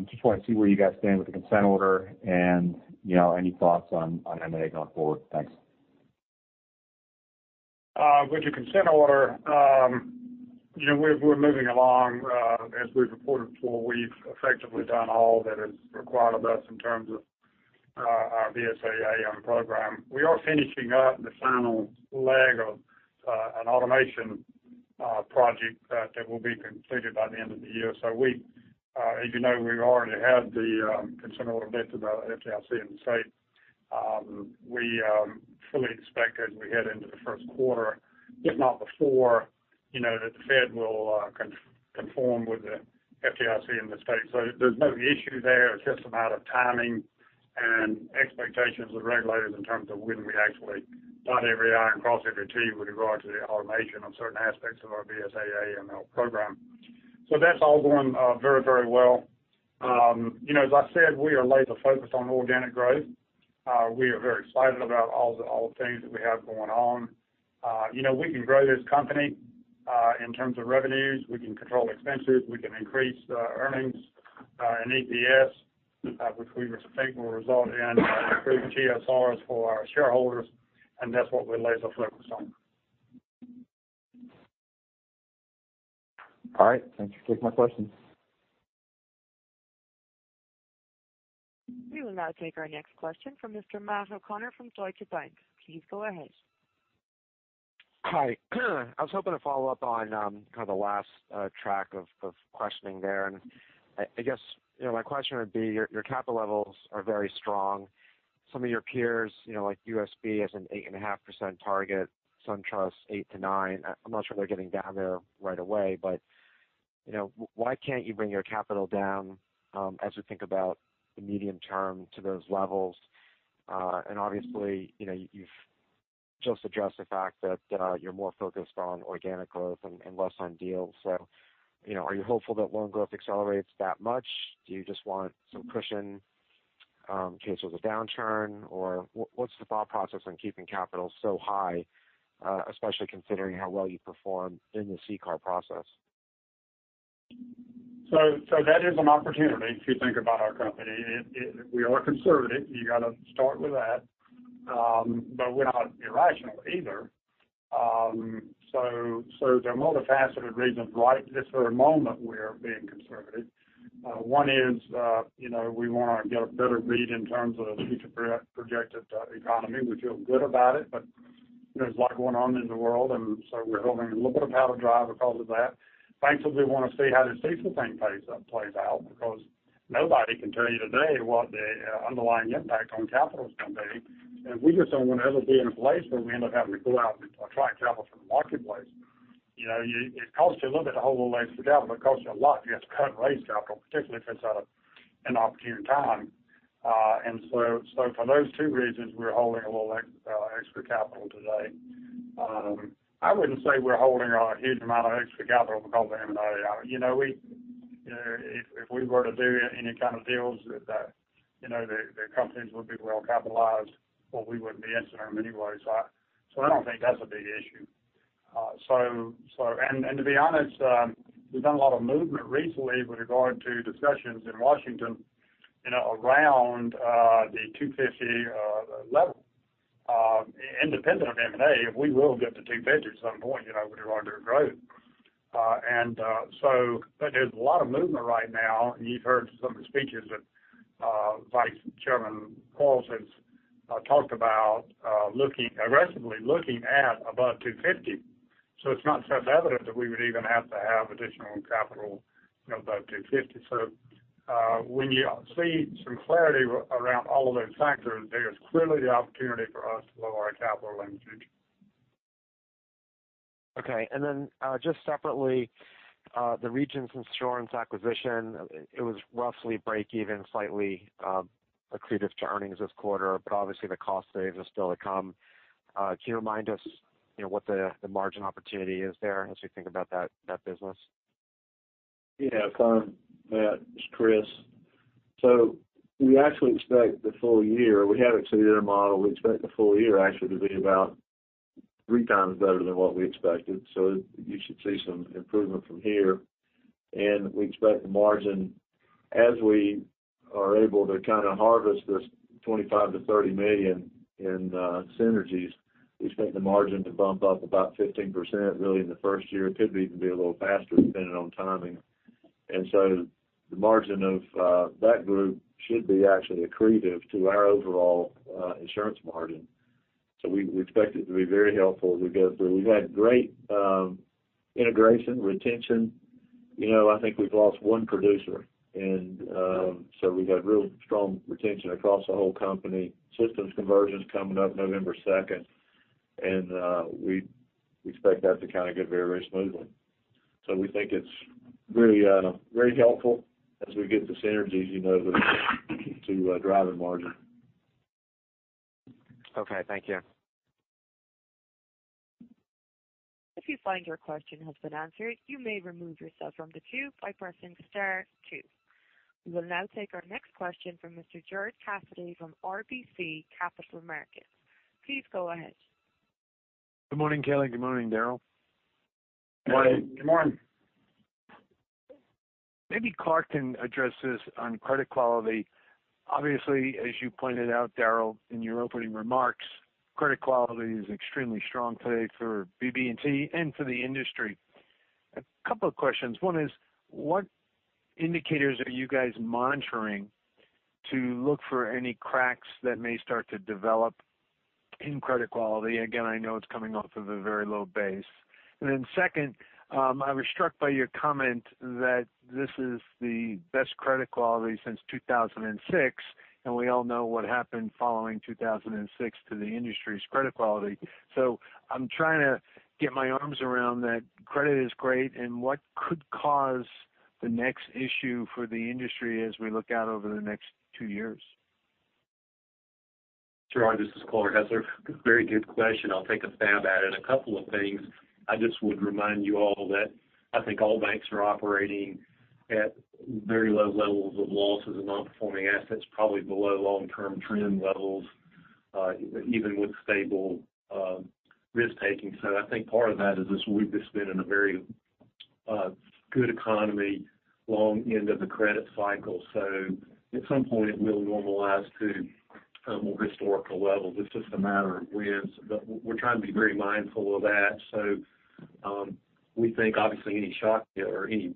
Just want to see where you guys stand with the consent order and any thoughts on M&A going forward. Thanks. With the consent order, we're moving along. As we've reported before, we've effectively done all that is required of us in terms of our BSA/AML program. We are finishing up the final leg of an automation project that will be completed by the end of the year. As you know, we already have the consent order with both the FDIC and the state. We fully expect as we head into the first quarter, if not before, that the Fed will conform with the FDIC and the state. There's no issue there. It's just a matter of timing and expectations with regulators in terms of when we actually dot every "i" and cross every "t" with regard to the automation of certain aspects of our BSA/AML program. That's all going very, very well. As I said, we are laser-focused on organic growth. We are very excited about all the things that we have going on. We can grow this company in terms of revenues. We can control expenses. We can increase earnings and EPS, which we think will result in improved TSRs for our shareholders, and that's what we're laser-focused on. All right. Thanks for taking my questions. We will now take our next question from Mr. Matt O'Connor from Deutsche Bank. Please go ahead. Hi. I was hoping to follow up on kind of the last track of questioning there. I guess my question would be, your capital levels are very strong. Some of your peers, like USB, has an 8.5% target, SunTrust, 8%-9%. I'm not sure they're getting down there right away, but why can't you bring your capital down, as we think about the medium term, to those levels? Obviously, you've just addressed the fact that you're more focused on organic growth and less on deals. Are you hopeful that loan growth accelerates that much? Do you just want some cushion in case there's a downturn? What's the thought process on keeping capital so high, especially considering how well you performed in the CCAR process? That is an opportunity if you think about our company. We are conservative. You got to start with that. We're not irrational either. There are multifaceted reasons why at this very moment we're being conservative. One is we want to get a better read in terms of future projected economy. We feel good about it, there's a lot going on in the world, we're holding a little bit of powder dry because of that. Banks simply want to see how this CECL thing plays out, because nobody can tell you today what the underlying impact on capital is going to be. We just don't want to ever be in a place where we end up having to go out and try and capital from the marketplace. It costs you a little bit to hold a little extra capital. It costs you a lot if you have to cut and raise capital, particularly if it's at an inopportune time. For those two reasons, we're holding a little extra capital today. I wouldn't say we're holding a huge amount of extra capital because of M&A. If we were to do any kind of deals, the companies would be well-capitalized, or we wouldn't be interested in them anyway. I don't think that's a big issue. To be honest, we've done a lot of movement recently with regard to discussions in Washington around the 250 level. Independent of M&A, we will get to 250 at some point, with regard to our growth. There's a lot of movement right now, and you've heard some of the speeches that Vice Chairman Quarles has talked about aggressively looking at above 250. It's not self-evident that we would even have to have additional capital above 250. When you see some clarity around all of those factors, there is clearly the opportunity for us to lower our capital in the future. Okay, just separately, the Regions Insurance acquisition, it was roughly break-even, slightly accretive to earnings this quarter, obviously the cost saves are still to come. Can you remind us what the margin opportunity is there as we think about that business? Matt, it's Chris. We actually expect the full year. We have it to the model. We expect the full year actually to be about 3 times better than what we expected. You should see some improvement from here. We expect the margin as we are able to kind of harvest this $25 million-$30 million in synergies. We expect the margin to bump up about 15% really in the first year. It could even be a little faster depending on timing. The margin of that group should be actually accretive to our overall insurance margin. We expect it to be very helpful as we go through. We've had great integration, retention. I think we've lost one producer. We've had real strong retention across the whole company. Systems conversion is coming up November 2. We expect that to kind of go very, very smoothly. We think it's very helpful as we get the synergies to drive in margin. Okay. Thank you. If you find your question has been answered, you may remove yourself from the queue by pressing star 2. We will now take our next question from Mr. Gerard Cassidy from RBC Capital Markets. Please go ahead. Good morning, Kelly. Good morning, Daryl. Morning. Good morning. Maybe Clarke can address this on credit quality. Obviously, as you pointed out, Daryl, in your opening remarks, credit quality is extremely strong today for BB&T and for the industry. A couple of questions. One is, what indicators are you guys monitoring to look for any cracks that may start to develop in credit quality? Again, I know it's coming off of a very low base. Second, I was struck by your comment that this is the best credit quality since 2006, we all know what happened following 2006 to the industry's credit quality. I'm trying to get my arms around that credit is great, and what could cause the next issue for the industry as we look out over the next two years? Sure. This is Clarke Starnes. Very good question. I'll take a stab at it. A couple of things. I just would remind you all that I think all banks are operating at very low levels of losses and non-performing assets, probably below long-term trend levels even with stable risk-taking. I think part of that is we've just been in a very good economy, long end of the credit cycle. At some point it will normalize too. More historical levels. It's just a matter of when. We're trying to be very mindful of that. We think, obviously, any shock or any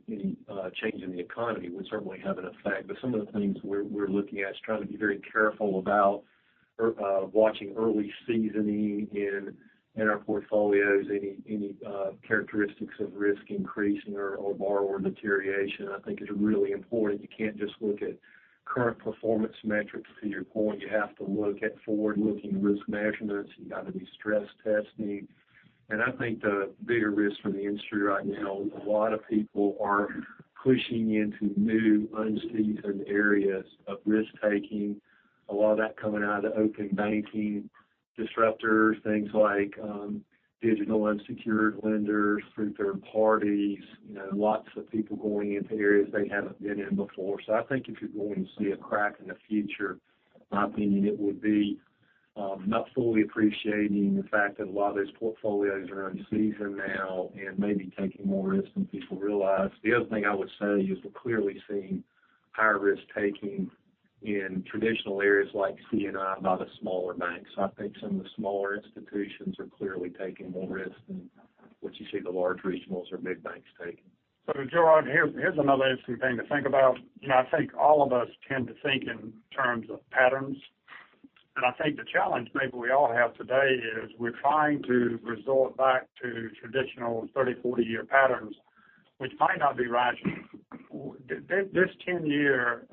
change in the economy would certainly have an effect. Some of the things we're looking at is trying to be very careful about watching early seasoning in our portfolios, any characteristics of risk increasing or borrower deterioration, I think is really important. You can't just look at current performance metrics. To your point, you have to look at forward-looking risk measurements. You've got to be stress testing. The bigger risk from the industry right now is a lot of people are pushing into new, unseasoned areas of risk-taking. A lot of that coming out of the open banking disruptors, things like digital unsecured lenders through third parties. Lots of people going into areas they haven't been in before. I think if you're going to see a crack in the future, in my opinion, it would be not fully appreciating the fact that a lot of those portfolios are unseasoned now and maybe taking more risk than people realize. The other thing I would say is we're clearly seeing higher risk-taking in traditional areas like C&I by the smaller banks. I think some of the smaller institutions are clearly taking more risks than what you see the large regionals or big banks taking. Gerard, here's another interesting thing to think about. I think all of us tend to think in terms of patterns. I think the challenge maybe we all have today is we're trying to resort back to traditional 30-40-year patterns, which might not be rational. This 10-year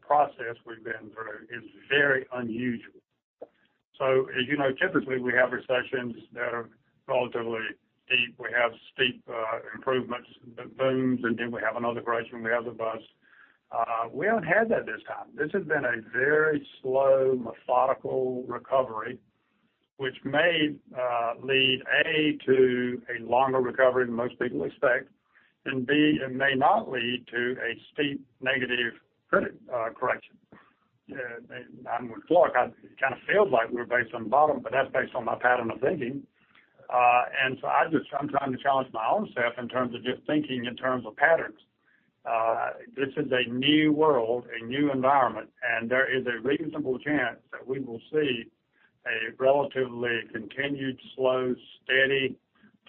process we've been through is very unusual. As you know, typically we have recessions that are relatively steep. We have steep improvements, the booms, and then we have another crash and we have the bust. We haven't had that this time. This has been a very slow, methodical recovery, which may lead, A, to a longer recovery than most people expect, and B, it may not lead to a steep negative credit correction. I'm with Clarke, it kind of feels like we're based on bottom, but that's based on my pattern of thinking. I'm trying to challenge my own self in terms of just thinking in terms of patterns. This is a new world, a new environment, and there is a reasonable chance that we will see a relatively continued slow, steady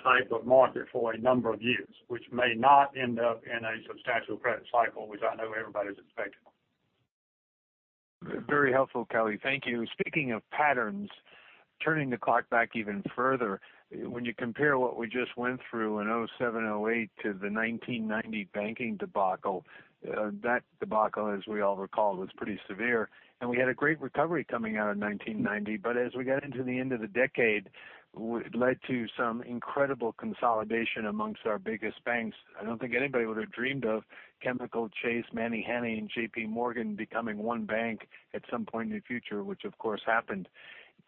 type of market for a number of years, which may not end up in a substantial credit cycle, which I know everybody's expecting. Very helpful, Kelly. Thank you. Speaking of patterns, turning the clock back even further, when you compare what we just went through in 2007, 2008 to the 1990 banking debacle, that debacle, as we all recall, was pretty severe. We had a great recovery coming out of 1990. As we got into the end of the decade, it led to some incredible consolidation amongst our biggest banks. I don't think anybody would have dreamed of Chemical Bank, Manufacturers Hanover, and JP Morgan becoming one bank at some point in the future, which of course happened.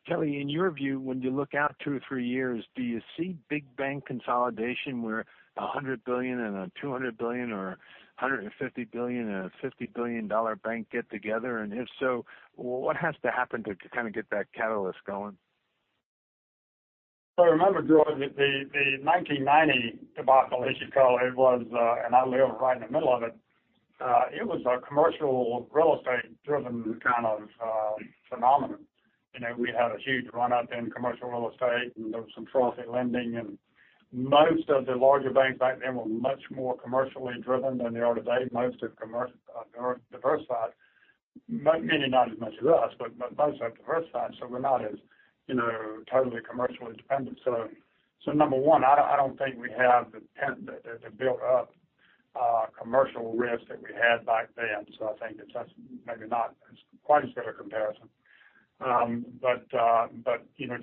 Kelly, in your view, when you look out two or three years, do you see big bank consolidation where a $100 billion and a $200 billion or a $150 billion and a $50 billion bank get together? If so, what has to happen to kind of get that catalyst going? Remember, Gerard, the 1990 debacle, as you call it, was, and I lived right in the middle of it was a commercial real estate-driven kind of phenomenon. We had a huge run-up in commercial real estate, there was some trophy lending, and most of the larger banks back then were much more commercially driven than they are today. Most have diversified. Meaning not as much as us, but most have diversified, so we're not as totally commercially dependent. Number one, I don't think we have the built-up commercial risk that we had back then. I think that that's maybe not quite as good a comparison.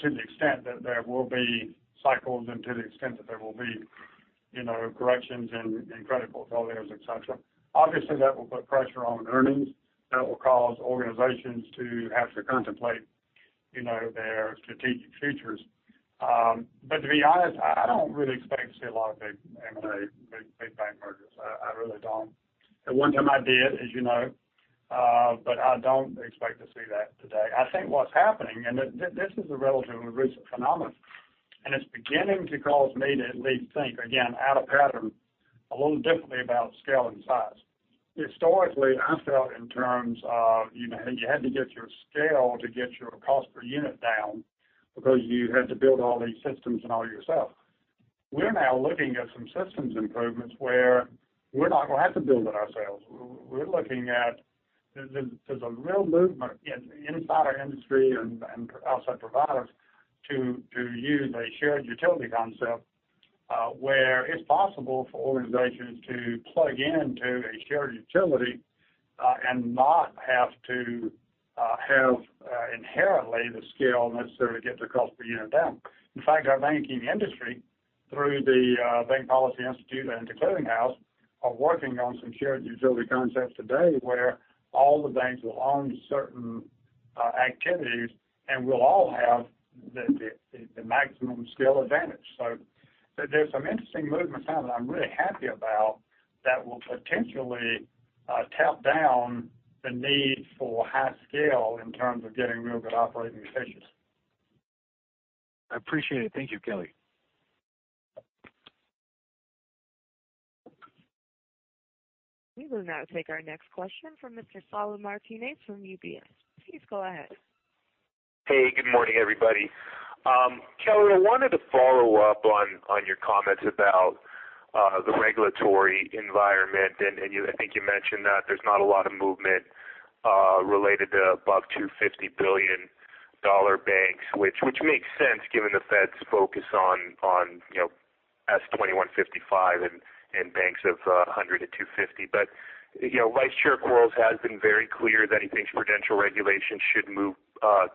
To the extent that there will be cycles and to the extent that there will be corrections in credit portfolios, et cetera, obviously that will put pressure on earnings. That will cause organizations to have to contemplate their strategic futures. To be honest, I don't really expect to see a lot of big M&A, big bank mergers. I really don't. At one time I did, as you know, I don't expect to see that today. I think what's happening, this is a relatively recent phenomenon, it's beginning to cause me to at least think, again, out of pattern a little differently about scale and size. Historically, I felt in terms of you had to get your scale to get your cost per unit down because you had to build all these systems and all yourself. We're now looking at some systems improvements where we're not going to have to build it ourselves. We're looking at there's a real movement inside our industry and outside providers to use a shared utility concept, where it's possible for organizations to plug into a shared utility and not have to have inherently the scale necessary to get the cost per unit down. In fact, our banking industry, through the Bank Policy Institute and The Clearing House, are working on some shared utility concepts today where all the banks will own certain activities and will all have the maximum scale advantage. There's some interesting movements now that I'm really happy about that will potentially tamp down the need for high scale in terms of getting real good operating efficiencies. I appreciate it. Thank you, Kelly. We will now take our next question from Mr. Saul Martinez from UBS. Please go ahead. Hey, good morning, everybody. Kelly, I wanted to follow up on your comments about the regulatory environment, I think you mentioned that there's not a lot of movement related to above $250 billion banks, which makes sense given the Fed's focus on S. 2155 and banks of $100 billion-$250 billion. Vice Chair Quarles has been very clear that he thinks prudential regulation should move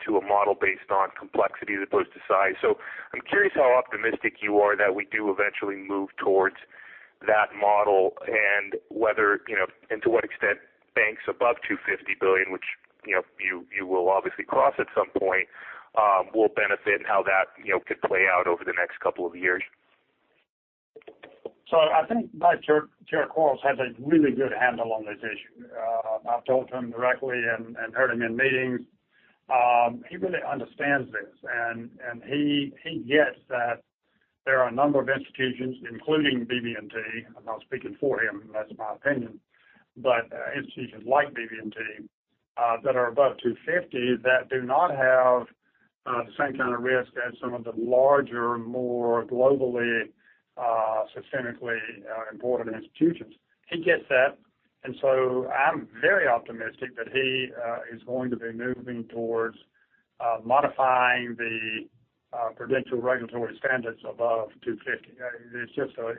to a model based on complexity as opposed to size. I'm curious how optimistic you are that we do eventually move towards that model and to what extent banks above $250 billion, which you will obviously cross at some point, will benefit and how that could play out over the next couple of years. I think Vice Chair Quarles has a really good handle on this issue. I've talked to him directly and heard him in meetings. He really understands this, he gets that there are a number of institutions, including BB&T. I'm not speaking for him, that's my opinion, but institutions like BB&T that are above $250 billion that do not have the same kind of risk as some of the larger, more globally systemically important institutions. He gets that, I'm very optimistic that he is going to be moving towards modifying the prudential regulatory standards above $250 billion. It's just a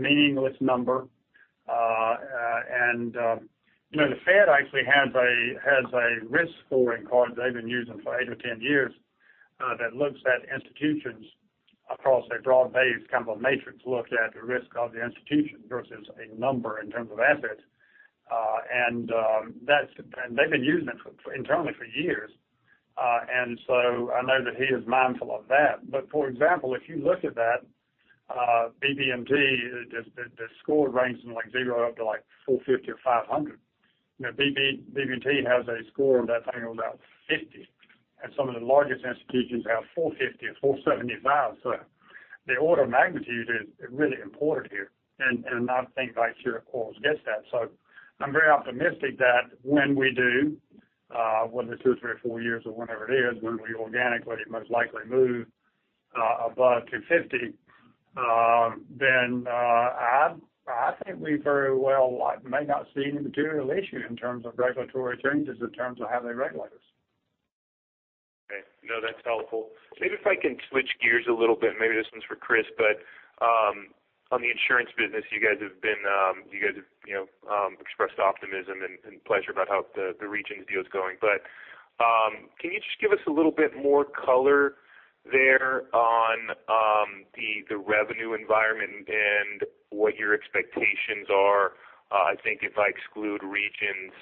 meaningless number. The Fed actually has a risk scoring card they've been using for 8 or 10 years that looks at institutions across a broad base, kind of a matrix look at the risk of the institution versus a number in terms of assets. They've been using it internally for years. I know that he is mindful of that. For example, if you look at that, the score ranges from 0 up to 450 or 500. BB&T has a score of, I think it was about 50. Some of the largest institutions have 450 or 475. The order of magnitude is really important here, and I think Vice Chair Quarles gets that. I'm very optimistic that when we do, whether it's two, three, or four years, or whenever it is, when we organically most likely move above 250, then I think we very well may not see any material issue in terms of regulatory changes in terms of how they regulate us. Okay. No, that's helpful. Maybe if I can switch gears a little bit, maybe this one's for Chris, but on the insurance business, you guys have expressed optimism and pleasure about how the Regions deal is going. Can you just give us a little bit more color there on the revenue environment and what your expectations are? I think if I exclude Regions,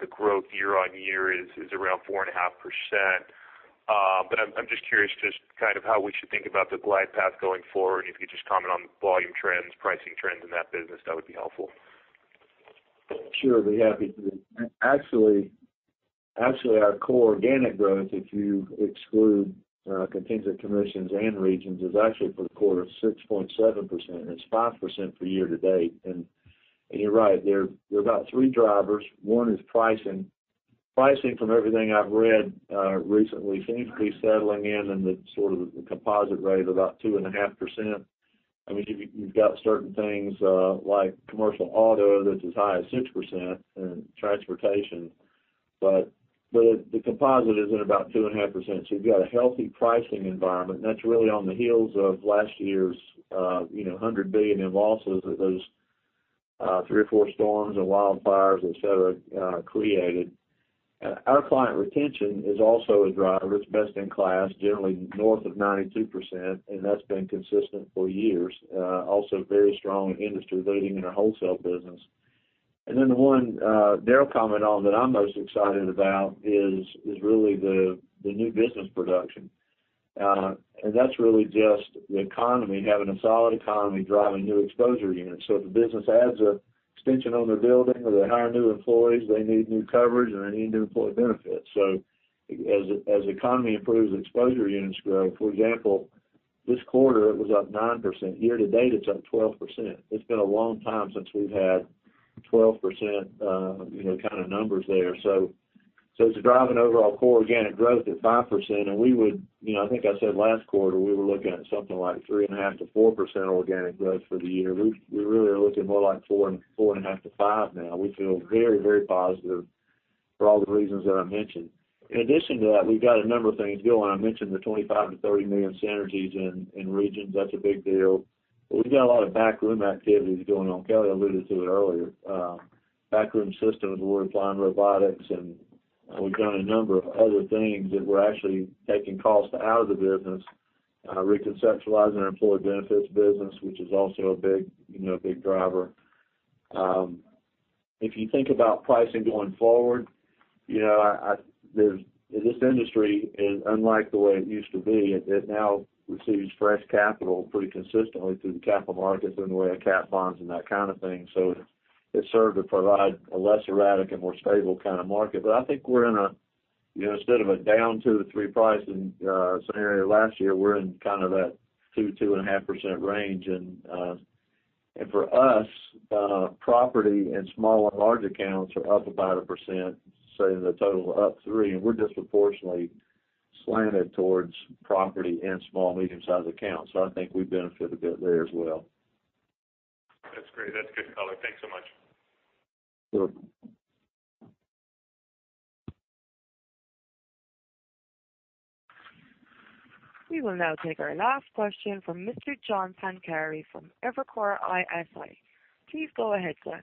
the growth year-on-year is around 4.5%. I'm just curious just how we should think about the glide path going forward. If you could just comment on volume trends, pricing trends in that business, that would be helpful. Sure, be happy to. Actually, our core organic growth, if you exclude contingent commissions and Regions, is actually for the quarter 6.7%, and it's 5% for year-to-date. You're right, there are about three drivers. One is pricing. Pricing, from everything I've read recently, seems to be settling in in the composite rate of about 2.5%. You've got certain things like commercial auto that's as high as 6% and transportation, but the composite is at about 2.5%. You've got a healthy pricing environment, and that's really on the heels of last year's $100 billion in losses that those three or four storms and wildfires, et cetera, created. Our client retention is also a driver. It's best in class, generally north of 92%, and that's been consistent for years. Also very strong industry leading in our wholesale business. Then the one Daryl commented on that I'm most excited about is really the new business production. That's really just the economy, having a solid economy driving new exposure units. If a business adds an extension on their building or they hire new employees, they need new coverage and they need new employee benefits. As the economy improves, exposure units grow. For example, this quarter, it was up 9%. Year-to-date, it's up 12%. It's been a long time since we've had 12% kind of numbers there. It's driving overall core organic growth at 5%, and I think I said last quarter, we were looking at something like 3.5%-4% organic growth for the year. We really are looking more like 4.5%-5% now. We feel very, very positive for all the reasons that I mentioned. In addition to that, we've got a number of things going. I mentioned the $25 million-$30 million synergies in Regions. That's a big deal. We've got a lot of back room activities going on. Kelly alluded to it earlier. Back room systems, we're applying robotics, and we've done a number of other things that we're actually taking costs out of the business, reconceptualizing our employee benefits business, which is also a big driver. If you think about pricing going forward, this industry is unlike the way it used to be. It now receives fresh capital pretty consistently through the capital markets in the way of cat bonds and that kind of thing. It served to provide a less erratic and more stable kind of market. I think we're in a Instead of a down two to three pricing scenario last year, we're in that two, 2.5% range. For us, property and small and large accounts are up about 1%. The total up three, and we're disproportionately slanted towards property and small medium-sized accounts. I think we benefit a bit there as well. That's great. That's good color. Thanks so much. Sure. We will now take our last question from Mr. John Pancari from Evercore ISI. Please go ahead, sir.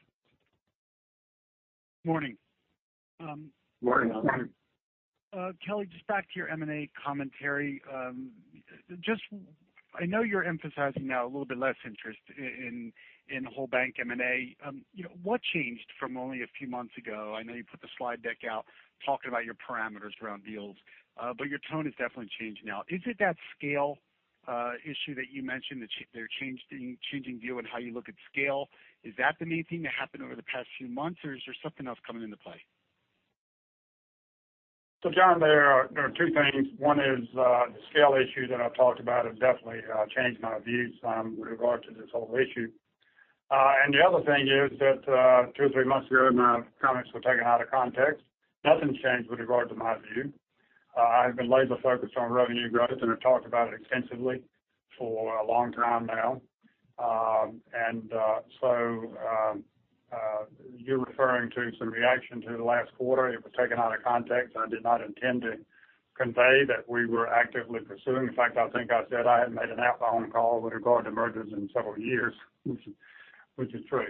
Morning. Morning, John. Kelly, just back to your M&A commentary. I know you're emphasizing now a little bit less interest in whole bank M&A. What changed from only a few months ago? I know you put the slide deck out talking about your parameters around deals. Your tone has definitely changed now. Is it that scale issue that you mentioned, their changing view on how you look at scale? Is that the main thing that happened over the past few months, or is there something else coming into play? John, there are two things. One is, the scale issue that I've talked about has definitely changed my views with regard to this whole issue. The other thing is that two or three months ago, my comments were taken out of context. Nothing's changed with regard to my view. I have been laser focused on revenue growth, and I've talked about it extensively for a long time now. You're referring to some reaction to the last quarter. It was taken out of context. I did not intend to convey that we were actively pursuing. In fact, I think I said I hadn't made an outbound call with regard to mergers in several years, which is true.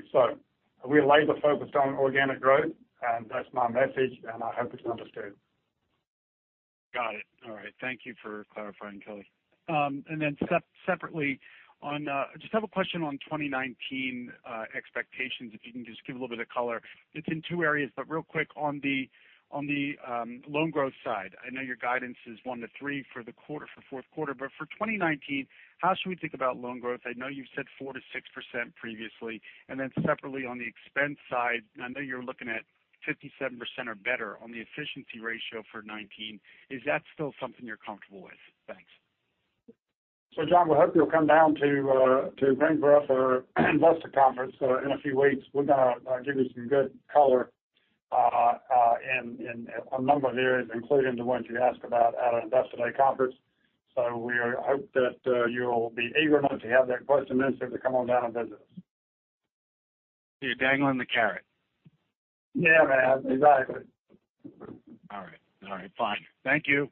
We are laser focused on organic growth, and that's my message, and I hope it's understood. Got it. All right. Thank you for clarifying, Kelly. Separately, I just have a question on 2019 expectations, if you can just give a little bit of color. It's in two areas, but real quick on the loan growth side. I know your guidance is one to three for the quarter for fourth quarter. For 2019, how should we think about loan growth? I know you've said 4%-6% previously. Separately on the expense side, I know you're looking at 57% or better on the efficiency ratio for 2019. Is that still something you're comfortable with? Thanks. John, we hope you'll come down to Greensboro for investor conference in a few weeks. We're going to give you some good color in a number of areas, including the ones you asked about at our Investor Day conference. We hope that you'll be eager enough to have that question answered to come on down and visit us. You're dangling the carrot. Yeah, man. Exactly. All right. Fine. Thank you.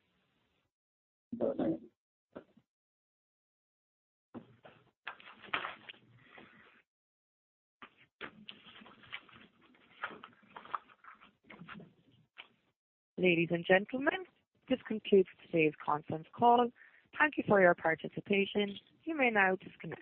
You bet, man. Ladies and gentlemen, this concludes today's conference call. Thank you for your participation. You may now disconnect.